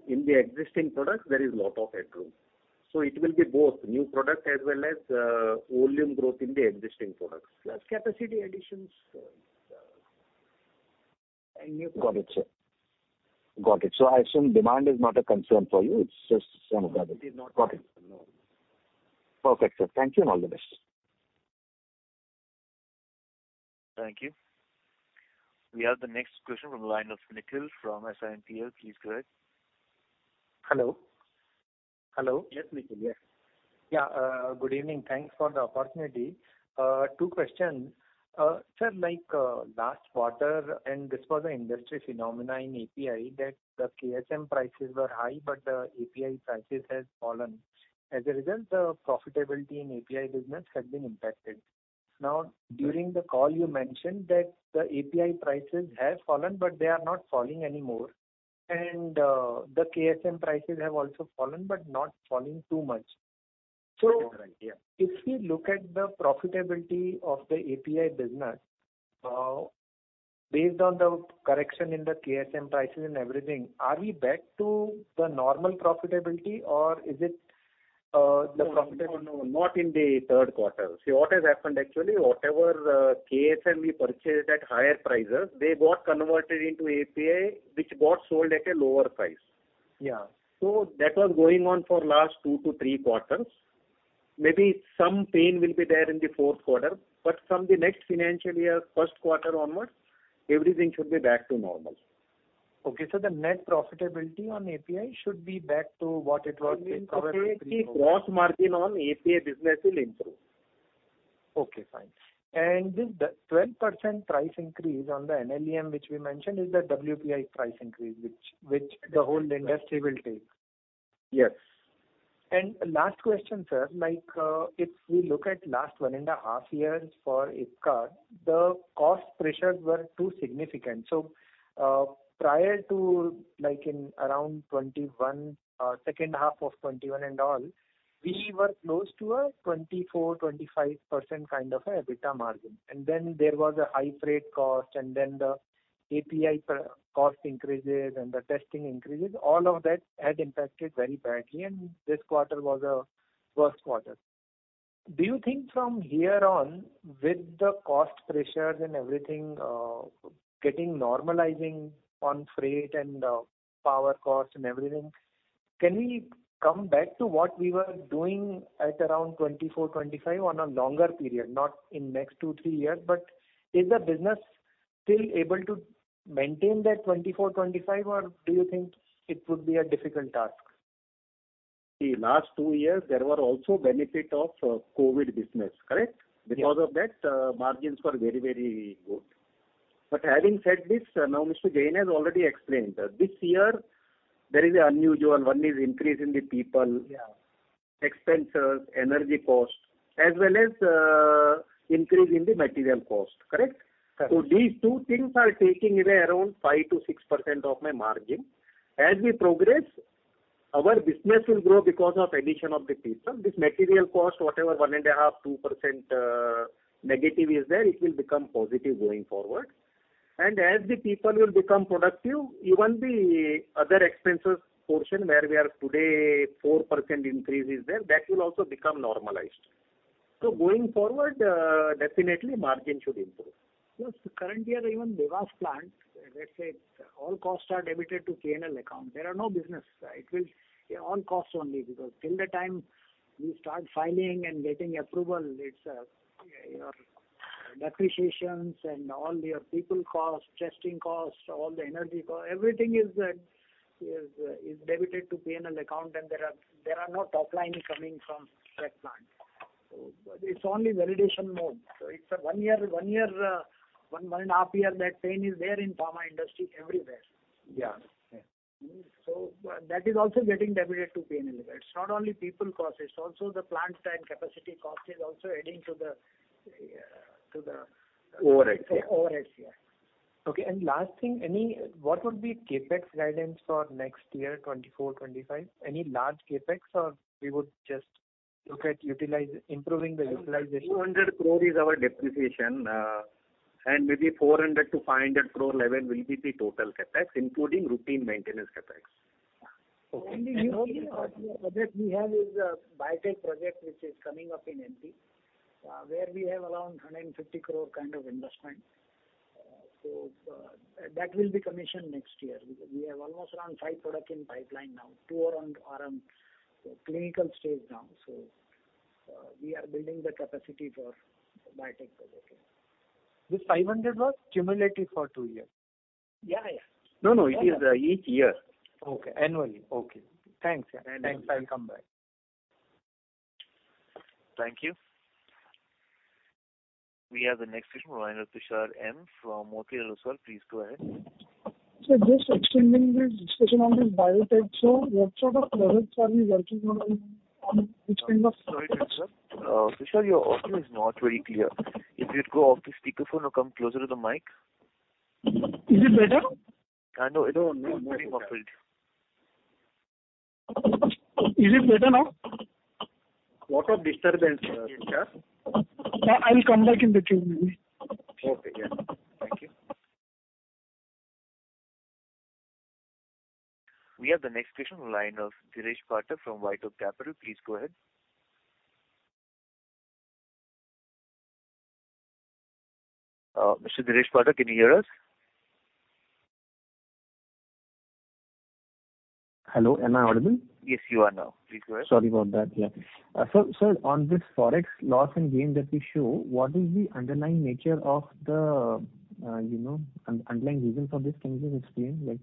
in the existing products there is lot of headroom. It will be both new product as well as volume growth in the existing products. Plus capacity additions, and new products. Got it, sir. Got it. I assume demand is not a concern for you, it's just some other thing. It is not a concern, no. Got it. Perfect, sir. Thank you and all the best. Thank you. We have the next question from the line of Nikhil from Centrum. Please go ahead. Hello? Hello? Yes, Nikhil. Yes. Good evening. Thanks for the opportunity. Two questions. sir, like, last quarter, and this was an industry phenomena in API, that the KSM prices were high, but the API prices has fallen. As a result, the profitability in API business has been impacted. Now, during the call you mentioned that the API prices have fallen, but they are not falling anymore. The KSM prices have also fallen, but not falling too much. That is right. Yeah. If we look at the profitability of the API business, Based on the correction in the KSM prices and everything, are we back to the normal profitability or is it the profitability? No, no. Not in the Q3. See what has happened actually, whatever, KSM we purchased at higher prices, they got converted into API, which got sold at a lower price. Yeah. That was going on for last two to three quarters. Maybe some pain will be there in the Q4, but from the next financial year, Q1 onwards, everything should be back to normal. Okay. the net profitability on API should be back to what it was in. I mean, the gross margin on API business will improve. Okay, fine. This the 12% price increase on the NLEM, which we mentioned, is the WPI price increase, which the whole industry will take. Yes. Last question, sir. Like, if we look at last 1.5 years for Ipca, the cost pressures were too significant. Prior to like in around 2021, second half of 2021 and all, we were close to a 24%-25% kind of a EBITDA margin. Then there was a high freight cost and then the API cost increases and the testing increases. All of that had impacted very badly and this quarter was a worst quarter. Do you think from here on, with the cost pressures and everything, getting normalizing on freight and power costs and everything, can we come back to what we were doing at around 24%-25% on a longer period? Not in next 2-3 years, but is the business still able to maintain that 24-25, or do you think it would be a difficult task? The last two years there were also benefit of COVID business, correct? Yeah. Because of that, margins were very good. Having said this, now Mr. Jain has already explained that this year there is a unusual, one is increase in the people. Yeah. Expenses, energy costs, as well as, increase in the material cost. Correct? Correct. These two things are taking away around 5%-6% of my margin. As we progress, our business will grow because of addition of the people. This material cost, whatever 1.5%, 2% negative is there, it will become positive going forward. As the people will become productive, even the other expenses portion where we are today, 4% increase is there, that will also become normalized. Going forward, definitely margin should improve. Yes. Currently, even Dewas plant, let's say all costs are debited to P&L account. There are no business. All costs only because till the time we start filing and getting approval, it's, you know, depreciations and all your people costs, testing costs, all the energy everything is debited to P&L account and there are no top line coming from direct plant. It's only validation mode. It's a one year, one and a half year that pain is there in pharma industry everywhere. Yeah. That is also getting debited to P&L. It's not only people cost, it's also the plant side capacity cost is also adding to the. Overheads, yeah. Overheads, yeah. Okay. Last thing, what would be CapEx guidance for next year, 2024, 2025? Any large CapEx or we would just look at improving the utilization? 200 crore is our depreciation, and maybe 400 crore-500 crore level will be the total CapEx, including routine maintenance CapEx. Okay. Only new project we have is biotech project, which is coming up in MP, where we have around 150 crore kind of investment. That will be commissioned next year because we have almost around five product in pipeline now. Two are on RM, so clinical stage now. We are building the capacity for biotech project. This 500 was cumulative for two years? Yeah, yeah. No, no. It is each year. Okay. Annually. Okay. Thanks. Annually. Thanks. I'll come back. Thank you. We have the next question on line of Prashant M. from Motilal Oswal. Please go ahead. Sir, just extending this discussion on this biotech. What sort of products are you working on? On which kind of. Sorry, sir. Prashar M., your audio is not very clear. If you'd go off the speakerphone or come closer to the mic. Is it better? Kind of. It only muffled. Is it better now? Lot of disturbance, sir. Yeah. I'll come back in the queue maybe. Okay. Yeah. Thank you. We have the next question on line of Dheeresh Pathak from WhiteOak Capital. Please go ahead. Mr. Dheeresh Pathak, can you hear us? Hello, am I audible? Yes, you are now. Please go ahead. Sorry about that. Yeah. Sir, on this Forex loss and gain that you show, what is the underlying nature of the, you know, underlying reason for this? Can you just explain, like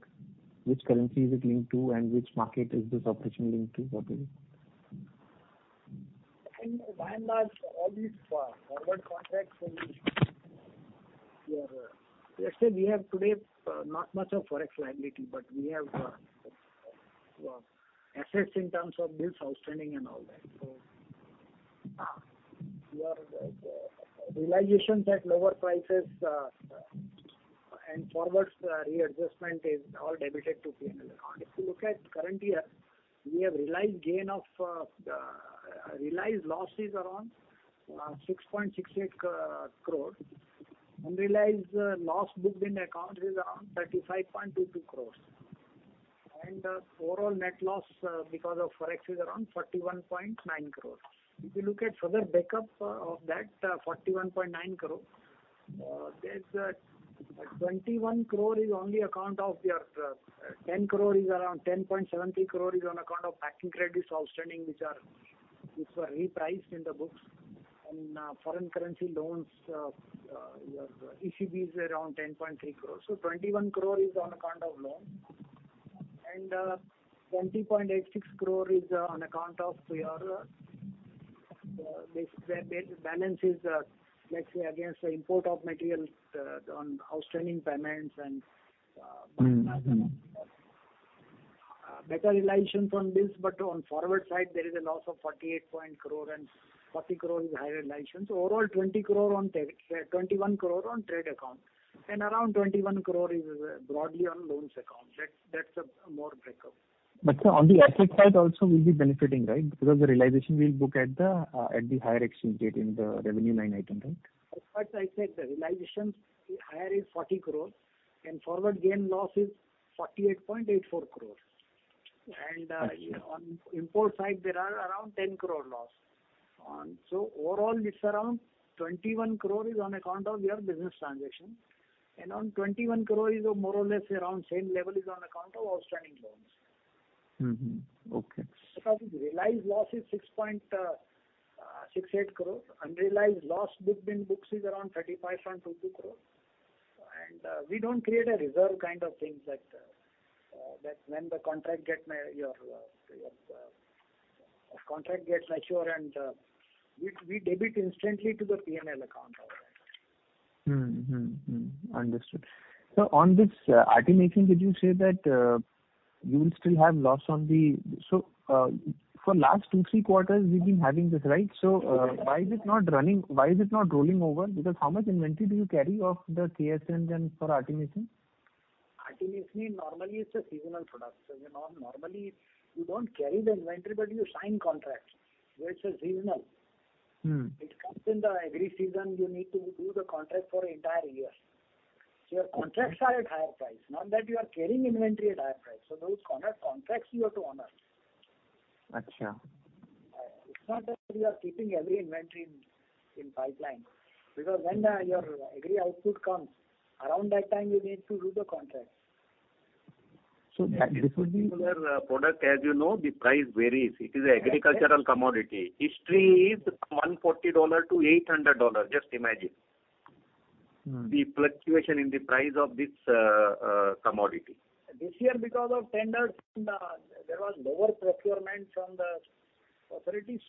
which currency is it linked to and which market is this opportunity linked to probably? By and large all these forward contracts, let's say we have today, not much of Forex liability, but we have assets in terms of bills outstanding and all that. Your realizations at lower prices and forwards readjustment is all debited to P&L. If you look at current year. We have realized losses around 6.68 crore. Unrealized loss booked in account is around 35.22 crore. Overall net loss because of Forex is around 41.9 crore. If you look at further breakup of that 41.9 crore, there's around 10.73 crore is on account of packing credits outstanding which were repriced in the books. Foreign currency loans, your ECB is around 10.3 crore. 21 crore is on account of loan. 20.86 crore is on account of your this balance is, let's say, against the import of materials on outstanding payments. Mm-hmm. Better realization from this. On forward side there is a loss of 48 point crore and 40 crore is higher realization. Overall 20 crore on trade. 21 crore on trade account and around 21 crore is broadly on loans account. That's more breakup. Sir, on the asset side also we'll be benefiting, right? Because the realization we'll book at the at the higher exchange rate in the revenue line item, right? As I said, the realization higher is 40 crore and forward gain loss is 48.84 crore. On import side there are around 10 crore loss. Overall it's around 21 crore is on account of your business transaction and around 21 crore is more or less around same level is on account of outstanding loans. Mm-hmm. Okay. Realized loss is 6.68 crore. Unrealized loss booked in books is around 35.22 crore. we don't create a reserve kind of things that when the contract get me your, contract gets mature and we debit instantly to the P&L account of that. Mm-hmm. Mm-hmm. Understood. On this artemisinin did you say that, you will still have loss on the. For last two, three quarters we've been having this, right? Why is it not running? Why is it not rolling over? Because how much inventory do you carry of the KSM then for artemisinin? Artemisinin normally it's a seasonal product. Normally you don't carry the inventory, but you sign contracts. It's a seasonal. Mm-hmm. It comes in the every season you need to do the contract for entire year. Your contracts are at higher price, not that you are carrying inventory at higher price. Those contracts you have to honor. Achha. It's not that you are keeping every inventory in pipeline, because when your agri output comes, around that time you need to do the contract. So that. This particular product, as you know, the price varies. It is agricultural commodity. History is $140-$800. Just imagine. Mm-hmm. The fluctuation in the price of this commodity. This year because of tenders and there was lower procurement from the authority,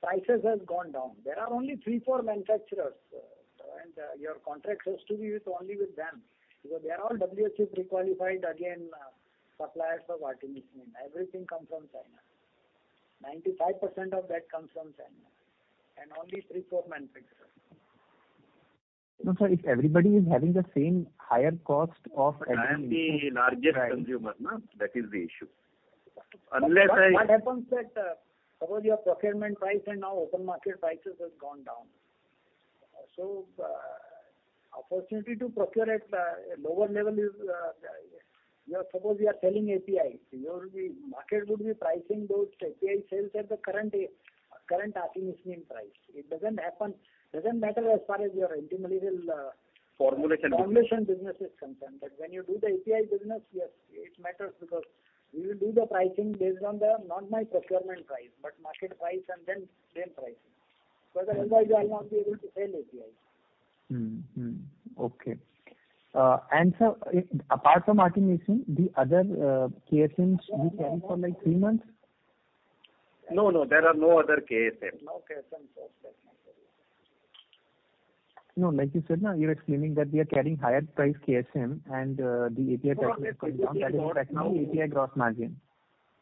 prices has gone down. There are only three, four manufacturers, and your contract has to be with only with them. Because they are all WHO pre-qualified again, suppliers of artemisinin. Everything comes from China. 95% of that comes from China. Only three, four manufacturers. No, sir, if everybody is having the same higher cost. I am the largest consumer, no? That is the issue. Unless I. What happens that, suppose your procurement price and now open market prices has gone down. Opportunity to procure at a lower level is, you know, suppose you are selling APIs, your, the market would be pricing those API sales at the current artemisinin price. It doesn't happen, doesn't matter as far as your intermediate. Formulation Formulation business is concerned. When you do the API business, yes, it matters because you will do the pricing based on the not my procurement price, but market price and then same pricing. Otherwise you will not be able to sell API. Mm-hmm. Mm-hmm. Okay. Sir, if apart from Artemisinin, the other KSM you carry for like three months? No, no, there are no other KSM. No KSM. No, like you said now, you're explaining that we are carrying higher price KSM and the API price has come down. That is affecting our API gross margin.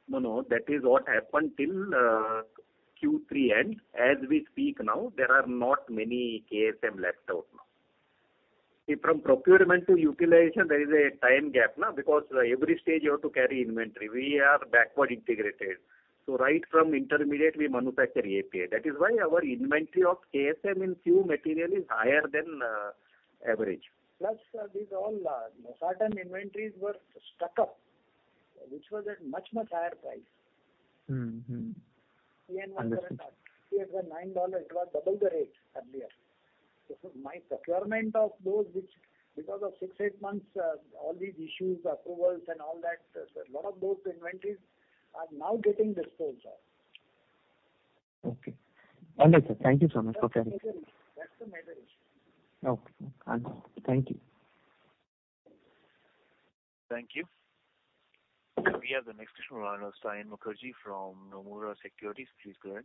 No, no. That is what happened till Q3 end. As we speak now, there are not many KSM left out now. See from procurement to utilization, there is a time gap, no? Because every stage you have to carry inventory. We are backward integrated. Right from intermediate we manufacture API. That is why our inventory of KSM in few material is higher than average. These all, certain inventories were stuck up, which was at much, much higher price. Mm-hmm. Mm-hmm. CN was current price. CF $9, it was double the rate earlier. My procurement of those which because of six, eight months, all these issues, approvals and all that, so lot of those inventories are now getting disposed of. Okay. Understood. Thank you so much for clearing. That's the major issue. Okay. Understood. Thank you. Thank you. We have the next question from Saion Mukherjee from Nomura Securities. Please go ahead.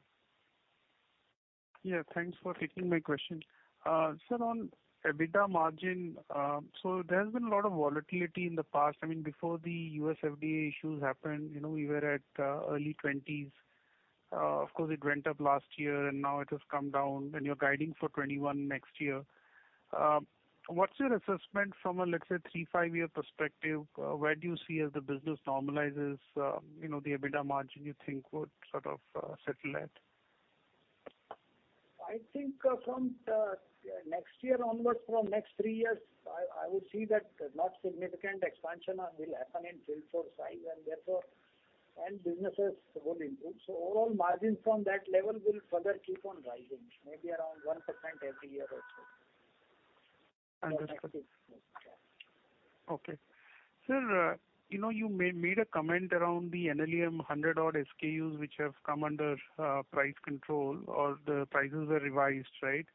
Thanks for taking my question. Sir, on EBITDA margin, there has been a lot of volatility in the past. I mean, before the US FDA issues happened, you know, we were at early 20s. Of course it went up last year and now it has come down and you're guiding for 21% next year. What's your assessment from a, let's say 3-5-year perspective, where do you see as the business normalizes, you know, the EBITDA margin you think would sort of settle at? I think, from next year onwards, from next threeyears, I would see that not significant expansion will happen in field force size and therefore end businesses will improve. Overall margin from that level will further keep on rising, maybe around 1% every year or so. Understood. Okay. Sir, you know, you made a comment around the NLEM 100 odd SKUs which have come under price control or the prices were revised, right?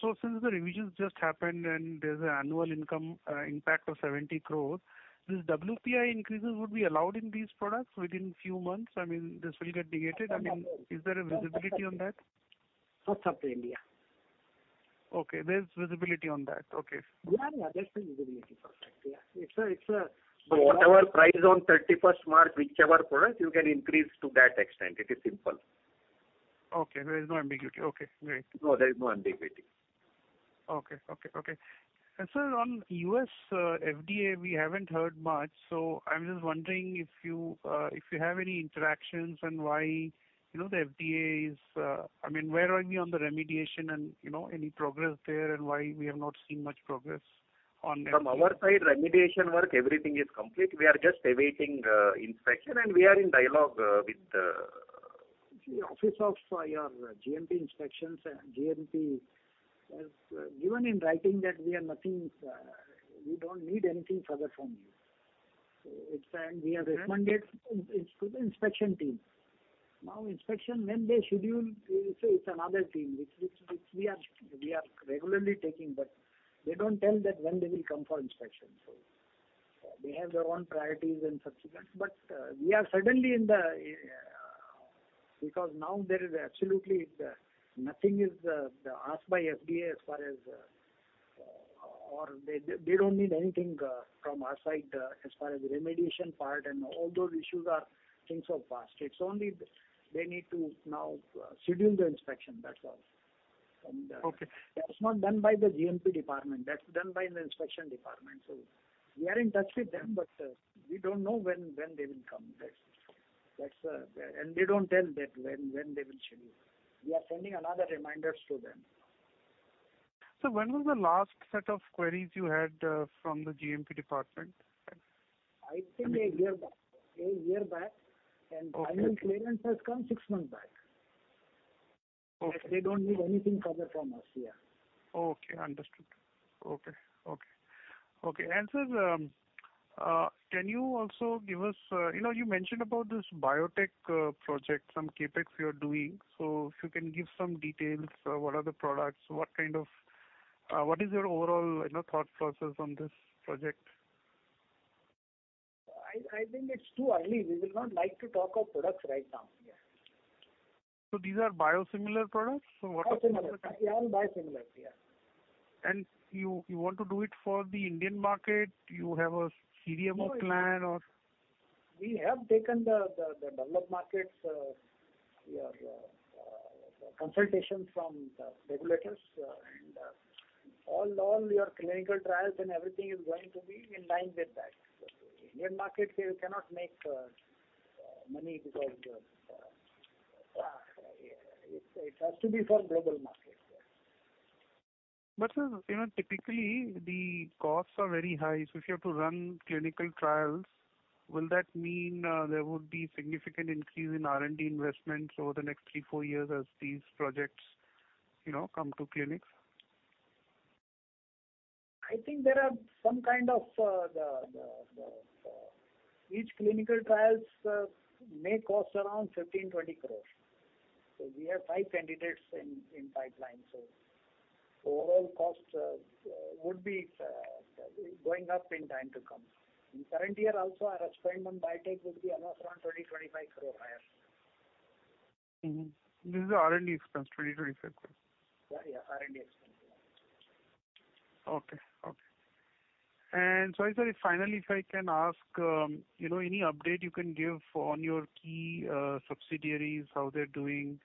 Since the revisions just happened and there's annual impact of 70 crores, these WPI increases would be allowed in these products within few months? I mean, this will get negated. I mean, is there a visibility on that? For Sub India. Okay. There's visibility on that. Okay. Yeah, yeah. There's a visibility for that. Yeah. Whatever price on 31st March, whichever product you can increase to that extent, it is simple. Okay. There is no ambiguity. Okay, great. No, there is no ambiguity. Okay. Okay. Okay. sir, on US FDA, we haven't heard much, so I'm just wondering if you, if you have any interactions and why, you know, I mean, where are we on the remediation and, you know, any progress there and why we have not seen much progress on that? From our side, remediation work, everything is complete. We are just awaiting inspection and we are in dialogue with. The office of your GMP inspections. GMP has given in writing that we are nothing. We don't need anything further from you. It's. We have responded into the inspection team. Inspection, when they schedule, it's another team which we are regularly taking, but they don't tell that when they will come for inspection. They have their own priorities and such things. We are certainly in the. Because now there is absolutely nothing is asked by FDA as far as or they don't need anything from our side as far as remediation part and all those issues are things of past. It's only they need to now schedule the inspection, that's all. Okay. That's not done by the GMP department. That's done by the inspection department. We are in touch with them, but we don't know when they will come. They don't tell that when they will schedule. We are sending another reminders to them. When was the last set of queries you had, from the GMP department? I think a year back. A year back. Okay. Final clearance has come six months back. Okay. They don't need anything further from us. Yeah. Okay, understood. Okay. Okay. Okay. Sir, can you also give us, you know, you mentioned about this biotech project, some CapEx you're doing. If you can give some details, what are the products? What is your overall, you know, thought process on this project? I think it's too early. We will not like to talk of products right now. Yeah. These are biosimilar products? What are. Biosimilar. They're all biosimilars. Yeah. You want to do it for the Indian market? Do you have a CDMO plan or? We have taken the developed markets, your consultation from the regulators, and all your clinical trials and everything is going to be in line with that. Indian market, we cannot make money because it has to be for global market. Yeah. You know, typically the costs are very high. If you have to run clinical trials, will that mean, there would be significant increase in R&D investments over the next three, four years as these projects, you know, come to clinics? Each clinical trials may cost around 15-20 crore. We have five candidates in pipeline. Overall costs would be going up in time to come. In current year also our spend on biotech will be almost around 20-25 crore higher. Mm-hmm. This is R&D expense, 20-25 crore? Yeah, R&D expense. Okay. Okay. sorry. Finally, if I can ask, you know, any update you can give on your key subsidiaries, how they're doing,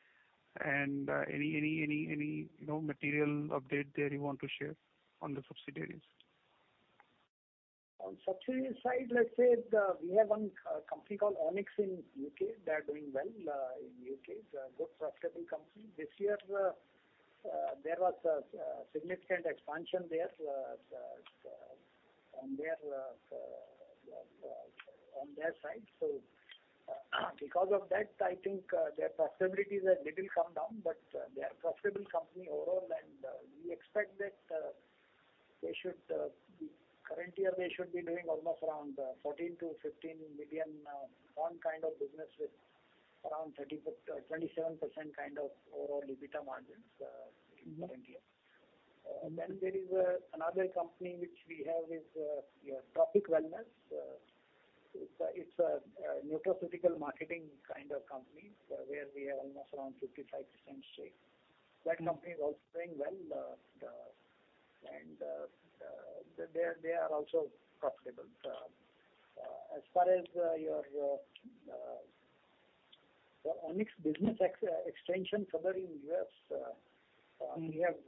and any, you know, material update there you want to share on the subsidiaries? On subsidiary side, let's say, we have one company called Onyx in UK. They are doing well in UK. It's a good profitable company. This year, there was a significant expansion there on their side. Because of that, I think, their profitability has little come down, but they are profitable company overall. We expect that they should, current year they should be doing almost around 14-15 million one kind of business with around 27% kind of overall EBITDA margins in current year. There is another company which we have is Tropic Wellness. It's a nutraceutical marketing kind of company where we have almost around 55% stake. That company is also doing well. They are also profitable. As far as your the Onyx business extension further in US, we have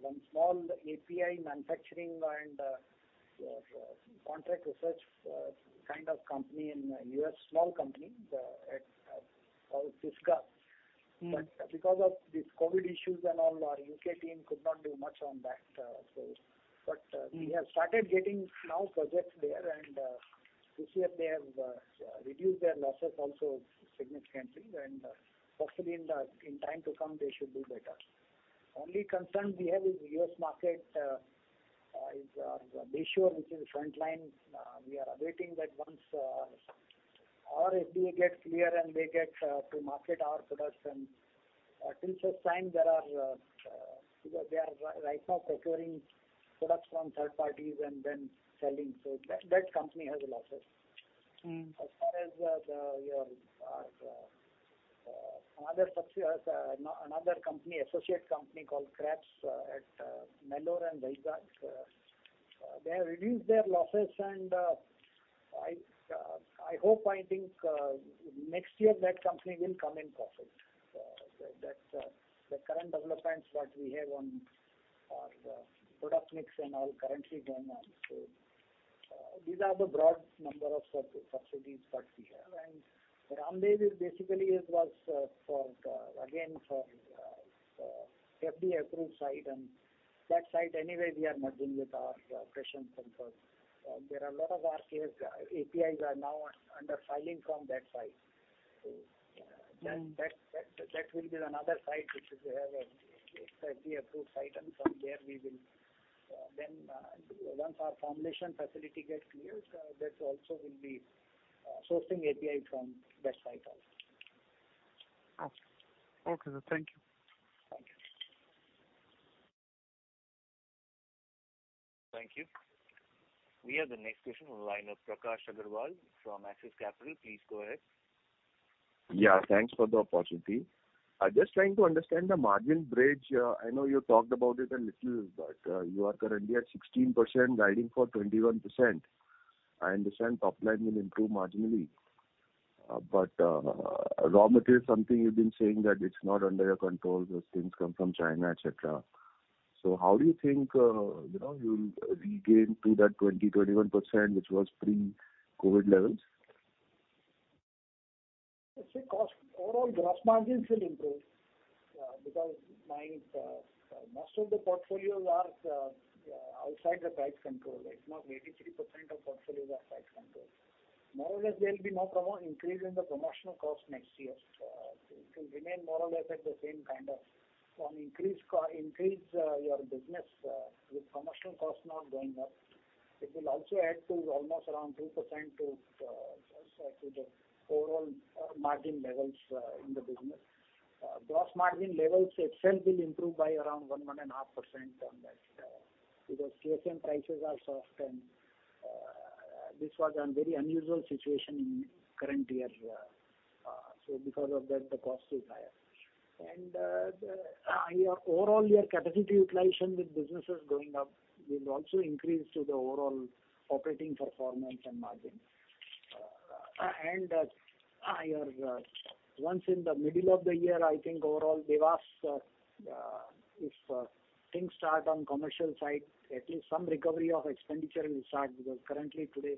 one small API manufacturing and contract research kind of company in US, small company, at called Cisca. Mm-hmm. Because of this COVID issues and all, our UK team could not do much on that, so. Mm-hmm. we have started getting now projects there and this year they have reduced their losses also significantly. Hopefully in time to come, they should do better. Only concern we have is US market is Dewas, which is front line. We are awaiting that once our FDA gets clear and they get to market our products. Till such time there are because they are right now procuring products from third parties and then selling. That company has losses. Mm-hmm. As far as the, your, another subsidiary, another company, associate company called Krebs, at Nellore and Vizag, they have reduced their losses and I hope, I think, next year that company will come in profit. That's the current developments what we have on our product mix and all currently going on. These are the broad number of subsidiaries what we have. Ramdev is basically it was for again for FDA approved site and that site anyway we are merging with our Prashant Panchal. There are a lot of RCAs, APIs are now under filing from that site. Mm-hmm. That will be another site which is we have a FDA approved site and from there we will then once our formulation facility gets cleared, that also will be sourcing API from that site also. Okay. Okay, sir. Thank you. Thank you. Thank you. We have the next question from the line of Prakash Agarwal from Axis Capital. Please go ahead. Yeah, thanks for the opportunity. I'm just trying to understand the margin bridge. I know you talked about it a little, but you are currently at 16%, guiding for 21%. I understand top line will improve marginally. Raw material is something you've been saying that it's not under your control. Those things come from China, et cetera. How do you think, you know, you'll regain to that 20%, 21%, which was pre-COVID levels? I'd say cost, overall gross margins will improve, because my most of the portfolios are outside the price control. It's not 83% of portfolios are price control. More or less there'll be no increase in the promotional cost next year. It will remain more or less at the same kind of your business with promotional costs not going up. It will also add to almost around 2% to the overall margin levels in the business. Gross margin levels itself will improve by around 1%, 1.5% on that. Because KSM prices are soft and this was an very unusual situation in current year. Because of that the cost is higher. The. Your overall your capacity utilization with businesses going up will also increase to the overall operating performance and margins. Your once in the middle of the year, I think overall Dewas, if things start on commercial side, at least some recovery of expenditure will start because currently today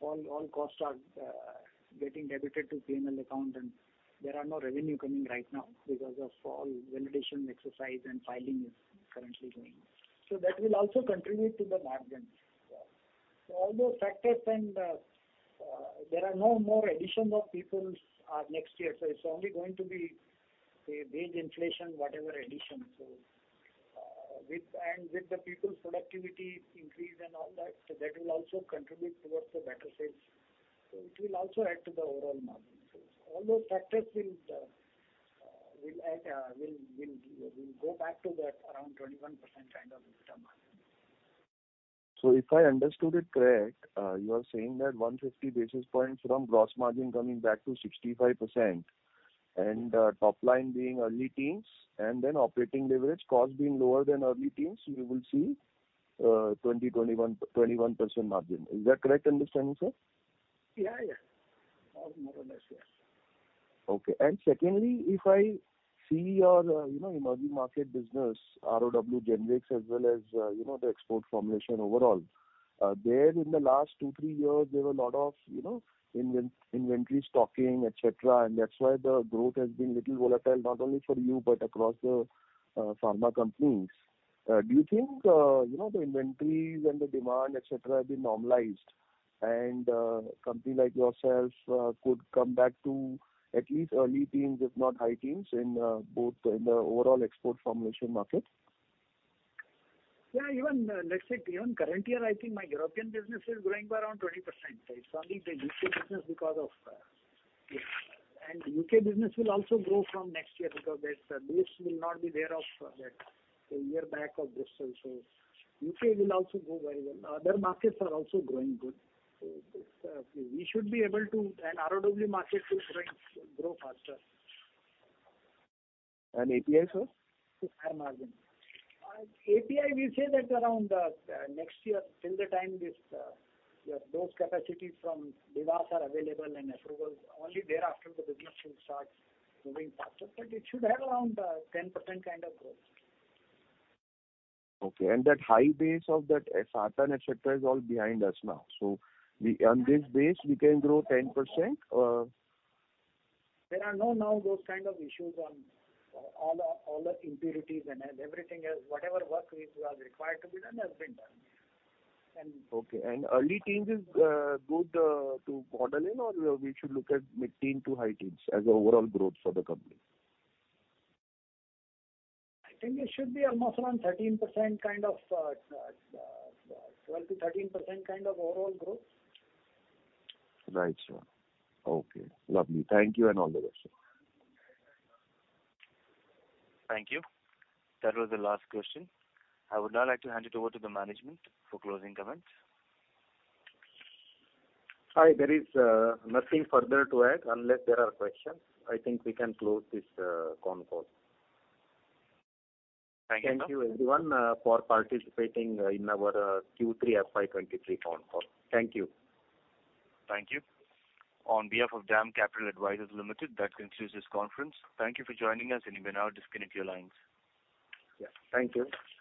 all costs are getting debited to P&L account and there are no revenue coming right now because of all validation exercise and filing is currently going on. That will also contribute to the margins. All those factors and there are no more additions of peoples next year, so it's only going to be a wage inflation, whatever addition. With and with the people's productivity increase and all that will also contribute towards the better sales. It will also add to the overall margin. All those factors will add, will go back to that around 21% kind of income margin. If I understood it correct, you are saying that 150 basis points from gross margin coming back to 65% and top line being early teens and then operating leverage cost being lower than early teens, we will see 20%, 21% margin. Is that correct understanding, sir? Yeah, yeah. More or less, yeah. Okay. Secondly, if I see your, you know, emerging market business, ROW, Generics as well as, you know, the export formulation overall, there in the last two, three years, there were a lot of, you know, inventory stocking, et cetera, and that's why the growth has been little volatile, not only for you, but across the pharma companies. Do you think, you know, the inventories and the demand, et cetera, have been normalized and, company like yourself, could come back to at least early teens, if not high teens in both in the overall export formulation market? Yeah, even, let's say even current year, I think my European business is growing by around 20%. It's only the UK business because of. Yes. UK business will also grow from next year because that base will not be there of that, a year back of this also. UK will also grow very well. Other markets are also growing good. This, we should be able to... ROW market will grow faster. APIs, sir? High margin. API, we say that around, next year till the time this, your those capacities from Dewas are available and approvals, only thereafter the business will start moving faster. It should have around 10% kind of growth. Okay. That high base of that sartan, et cetera, is all behind us now. We, on this base we can grow 10%. There are no now those kind of issues on all the, all the impurities and everything else. Whatever work is, was required to be done has been done. Okay. Early teens is good to model in or we should look at mid-teen to high teens as overall growth for the company? I think it should be almost around 13% kind of, 12%-13% kind of overall growth. Right, sir. Okay, lovely. Thank you and all the best, sir. Thank you. That was the last question. I would now like to hand it over to the management for closing comments. Hi. There is nothing further to add unless there are questions. I think we can close this con call. Thank you. Thank you everyone, for participating, in our, Q3 FY 2023 con call. Thank you. Thank you. On behalf of DAM Capital Advisors Limited, that concludes this conference. Thank you for joining us and you may now disconnect your lines. Yeah. Thank you.